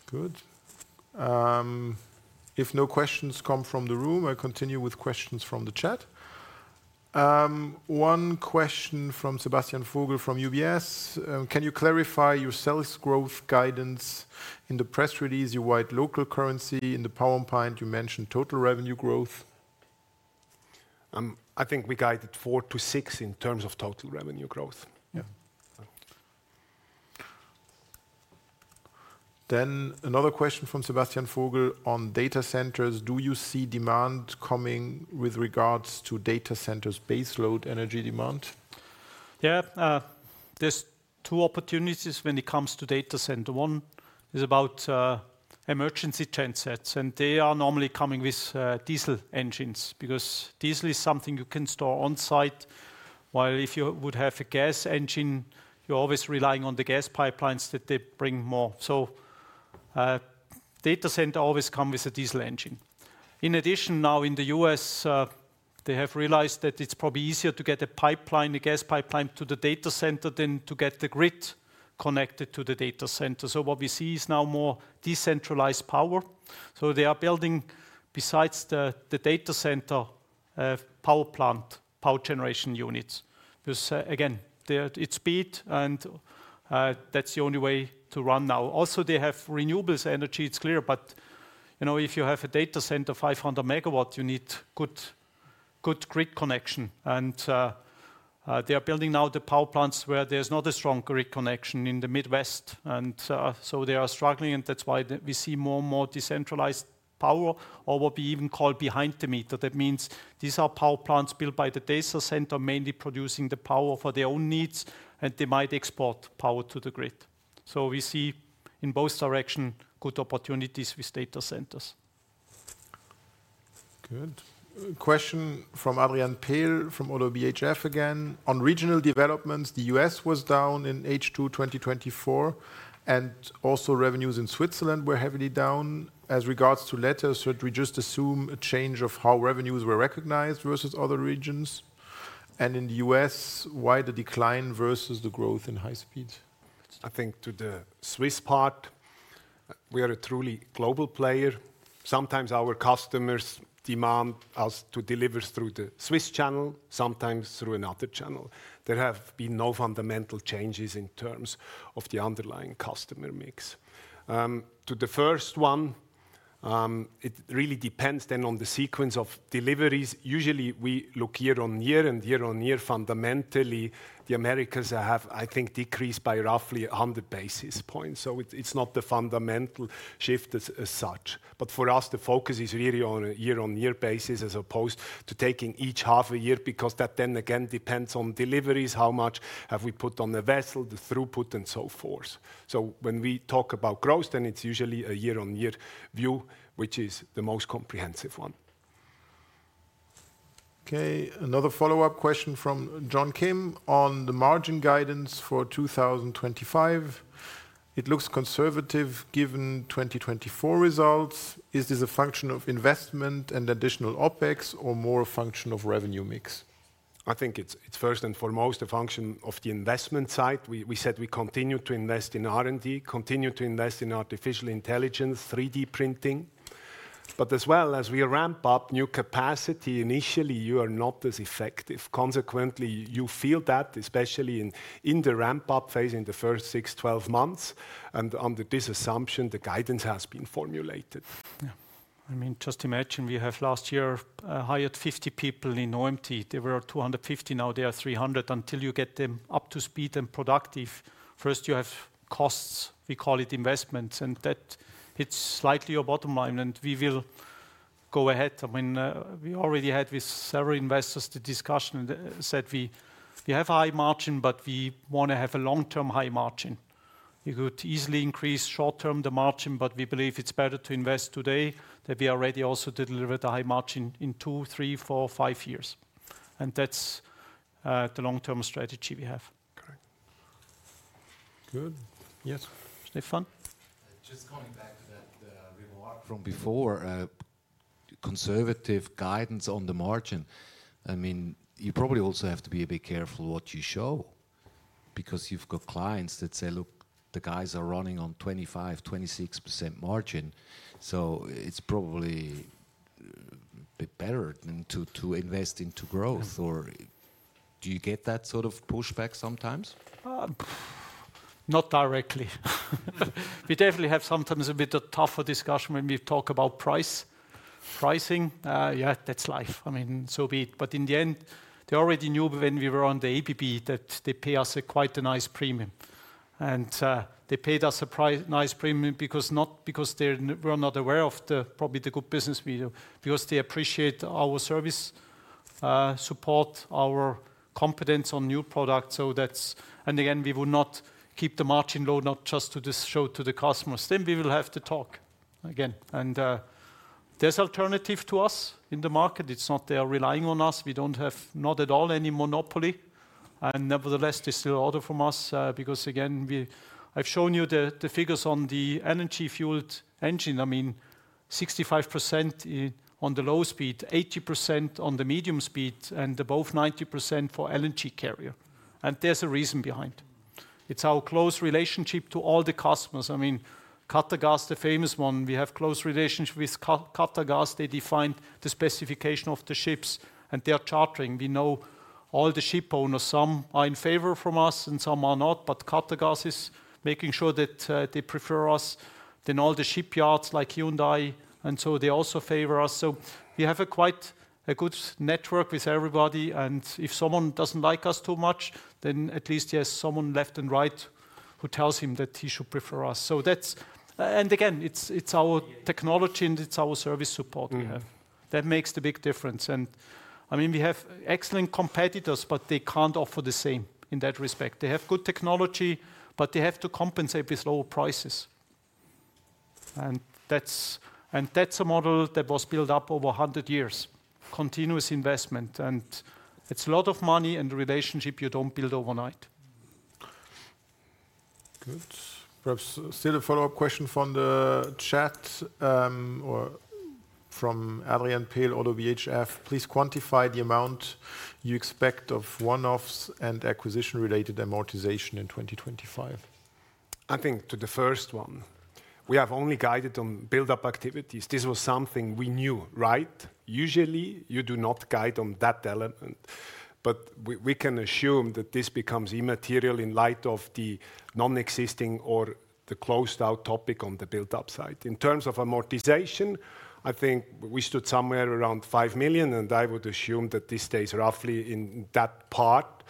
Good. If no questions come from the room, I continue with questions from the chat. One question from Sebastian Vogel from UBS. Can you clarify your sales growth guidance in the press release? You write local currency. In the PowerPoint, you mentioned total revenue growth. I think we guided 4%-6% in terms of total revenue growth. Yeah. Another question from Sebastian Vogel on data centers. Do you see demand coming with regards to data centers' baseload energy demand? Yeah, there are two opportunities when it comes to data centers. One is about emergency transits, and they are normally coming with diesel engines because diesel is something you can store onsite, while if you would have a gas engine, you are always relying on the gas pipelines that they bring more. Data centers always come with a diesel engine. In addition, now in the U.S., they have realized that it is probably easier to get a pipeline, a gas pipeline to the data center than to get the grid connected to the data center. What we see is now more decentralized power. They are building, besides the data center power plant, power generation units. Because again, it's speed, and that's the only way to run now. Also, they have renewables energy. It's clear, but you know, if you have a data center 500 MW, you need good grid connection. They are building now the power plants where there's not a strong grid connection in the Midwest. They are struggling, and that's why we see more and more decentralized power, or what we even call behind the meter. That means these are power plants built by the data center, mainly producing the power for their own needs, and they might export power to the grid. We see in both directions good opportunities with data centers. Good. Question from Adrian Pehl from Oddo BHF again. On regional developments, the U.S. was down in H2 2024, and also revenues in Switzerland were heavily down. As regards to letters, should we just assume a change of how revenues were recognized versus other regions? In the U.S., why the decline versus the growth in high speed? I think to the Swiss part, we are a truly global player. Sometimes our customers demand us to deliver through the Swiss channel, sometimes through another channel. There have been no fundamental changes in terms of the underlying customer mix. To the first one, it really depends then on the sequence of deliveries. Usually, we look year-on-year and year-on-year. Fundamentally, the Americas have, I think, decreased by roughly 100 basis points. It is not the fundamental shift as such. For us, the focus is really on a year on year basis as opposed to taking each half a year because that then again depends on deliveries. How much have we put on the vessel, the throughput, and so forth? When we talk about growth, then it's usually a year-on-year view, which is the most comprehensive one. Okay. Another follow-up question from John Kim on the margin guidance for 2025. It looks conservative given 2024 results. Is this a function of investment and additional OpEx or more a function of revenue mix? I think it's first and foremost a function of the investment side. We said we continue to invest in R&D, continue to invest in artificial intelligence, 3D printing. As well as we ramp up new capacity, initially, you are not as effective. Consequently, you feel that especially in the ramp-up phase in the first 6 months-12 months. Under this assumption, the guidance has been formulated. Yeah. I mean, just imagine we have last year hired 50 people in OMT. There were 250, now there are 300. Until you get them up to speed and productive, first you have costs. We call it investments. That hits slightly your bottom line. We will go ahead. I mean, we already had with several investors the discussion and said we have high margin, but we want to have a long-term high margin. We could easily increase short-term the margin, but we believe it is better to invest today that we are ready also to deliver the high margin in two, three, four, five years. That is the long-term strategy we have. Correct. Good. Yes, Stephan? Just coming back to that remark from before, conservative guidance on the margin. I mean, you probably also have to be a bit careful what you show because you've got clients that say, "Look, the guys are running on 25%-26% margin." It is probably a bit better than to invest into growth. Or do you get that sort of pushback sometimes? Not directly. We definitely have sometimes a bit of tougher discussion when we talk about pricing. Yeah, that's life. I mean, so be it. In the end, they already knew when we were on the APP that they pay us quite a nice premium. They paid us a nice premium not because they were not aware of probably the good business we do, but because they appreciate our service support, our competence on new products. That is, and again, we will not keep the margin low, not just to show to the customers. We will have to talk again. There is alternative to us in the market. It is not they are relying on us. We do not have at all any monopoly. Nevertheless, there is still order from us because again, I have shown you the figures on the energy-fueled engine. I mean, 65% on the low speed, 80% on the medium speed, and above 90% for LNG carrier. There is a reason behind. It is our close relationship to all the customers. I mean, QatarGas, the famous one, we have close relationship with QatarGas. They defined the specification of the ships and their chartering. We know all the ship owners, some are in favor from us and some are not, but QatarGas is making sure that they prefer us than all the shipyards like Hyundai. They also favor us. We have a quite good network with everybody. If someone does not like us too much, at least he has someone left and right who tells him that he should prefer us. That is, again, it is our technology and it is our service support we have. That makes the big difference. I mean, we have excellent competitors, but they cannot offer the same in that respect. They have good technology, but they have to compensate with lower prices. That is a model that was built up over 100 years, continuous investment. It is a lot of money and the relationship you do not build overnight. Good. Perhaps still a follow-up question from the chat or from Adrian Pehl, Oddo BHF. Please quantify the amount you expect of one-offs and acquisition-related amortization in 2025. I think to the first one, we have only guided on build-up activities. This was something we knew, right? Usually, you do not guide on that element. We can assume that this becomes immaterial in light of the non-existing or the closed-out topic on the build-up side. In terms of amortization, I think we stood somewhere around 5 million, and I would assume that this stays roughly in that part.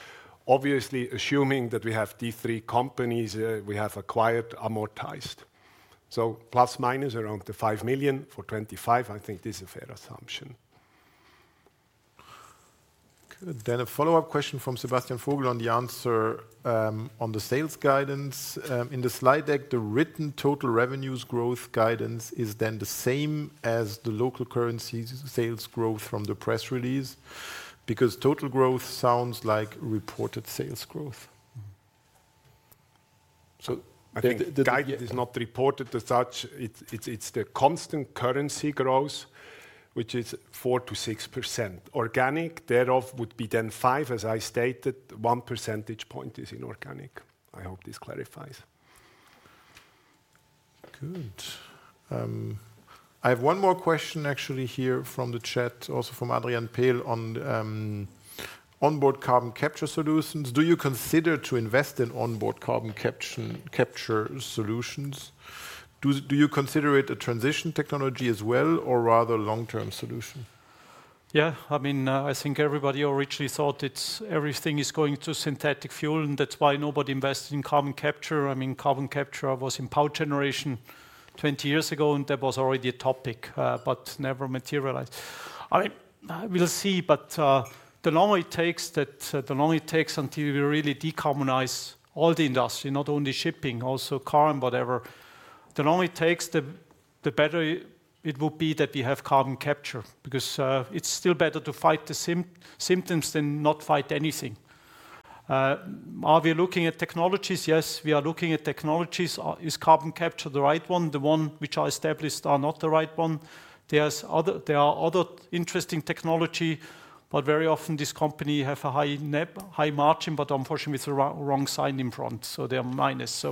Obviously, assuming that we have the three companies we have acquired, amortized. ± around the 5 million for 2025, I think this is a fair assumption. Good. A follow-up question from Sebastian Vogel on the answer on the sales guidance. In the slide deck, the written total revenues growth guidance is then the same as the local currency sales growth from the press release because total growth sounds like reported sales growth. I think the guidance is not reported as such. It's the constant currency growth, which is 4%-6%. Organic thereof would be then 5, as I stated, 1 percentage point is inorganic. I hope this clarifies. Good. I have one more question actually here from the chat, also from Adrian Pehl on onboard carbon capture solutions. Do you consider to invest in onboard carbon capture solutions? Do you consider it a transition technology as well or rather long-term solution? Yeah, I mean, I think everybody originally thought everything is going to synthetic fuel, and that's why nobody invested in carbon capture. I mean, carbon capture was in power generation 20 years ago, and that was already a topic, but never materialized. I mean, we'll see, but the longer it takes, the longer it takes until we really decarbonize all the industry, not only shipping, also car and whatever. The longer it takes, the better it would be that we have carbon capture because it's still better to fight the symptoms than not fight anything. Are we looking at technologies? Yes, we are looking at technologies. Is carbon capture the right one? The one which I established are not the right one. There are other interesting technologies, but very often this company has a high margin, but unfortunately it's the wrong sign in front. So, they are minus.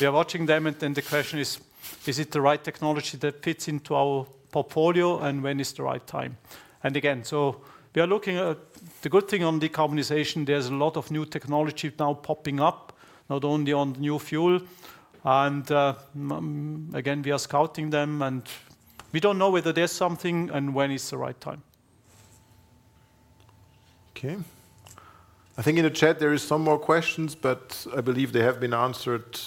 We are watching them, and then the question is, is it the right technology that fits into our portfolio, and when is the right time? Again, we are looking at the good thing on decarbonization. There's a lot of new technology now popping up, not only on new fuel. Again, we are scouting them, and we don't know whether there's something and when is the right time. Okay. I think in the chat there are some more questions, but I believe they have been answered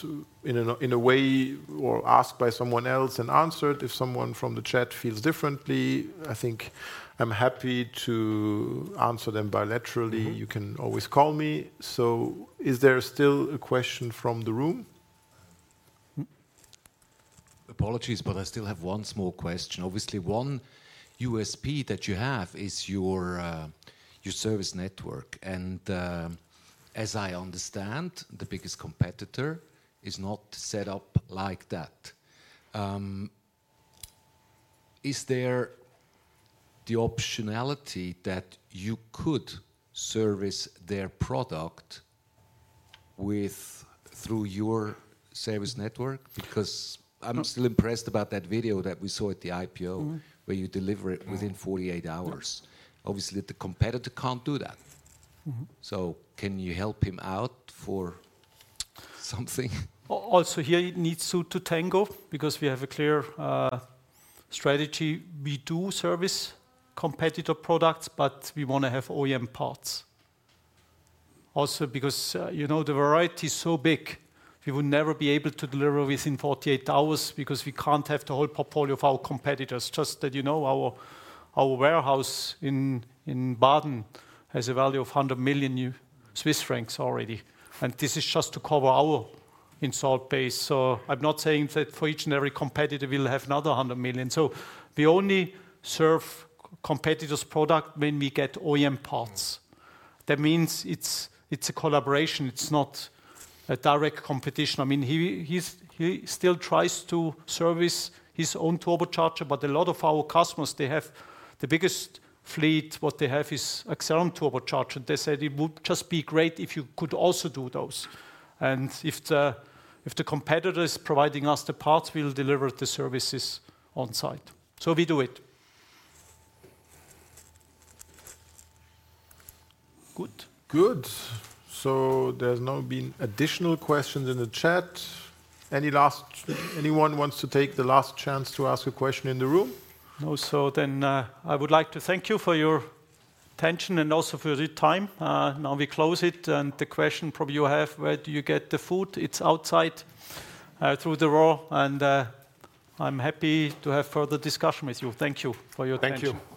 in a way or asked by someone else and answered. If someone from the chat feels differently, I think I'm happy to answer them bilaterally. You can always call me. Is there still a question from the room? Apologies, but I still have one small question. Obviously, one USP that you have is your service network. As I understand, the biggest competitor is not set up like that. Is there the optionality that you could service their product through your service network? Because I'm still impressed about that video that we saw at the IPO where you deliver it within 48 hours. Obviously, the competitor can't do that. Can you help him out for something? Also, here it needs to tango because we have a clear strategy. We do service competitor products, but we want to have OEM parts. Also, because you know the variety is so big, we would never be able to deliver within 48 hours because we can't have the whole portfolio of our competitors. Just that you know our warehouse in Baden has a value of 100 million Swiss francs already. This is just to cover our installed base. I'm not saying that for each and every competitor we'll have another 100 million. We only serve competitors' product when we get OEM parts. That means it's a collaboration. It's not a direct competition. I mean, he still tries to service his own turbocharger, but a lot of our customers, they have the biggest fleet. What they have is external turbocharger. They said it would just be great if you could also do those. If the competitor is providing us the parts, we'll deliver the services on site. We do it. Good. There are no additional questions in the chat. Any last, anyone wants to take the last chance to ask a question in the room? No. I would like to thank you for your attention and also for your time. Now we close it. The question probably you have, where do you get the food? It's outside through the row. I am happy to have further discussion with you. Thank you for your time. Thank you. Thank you.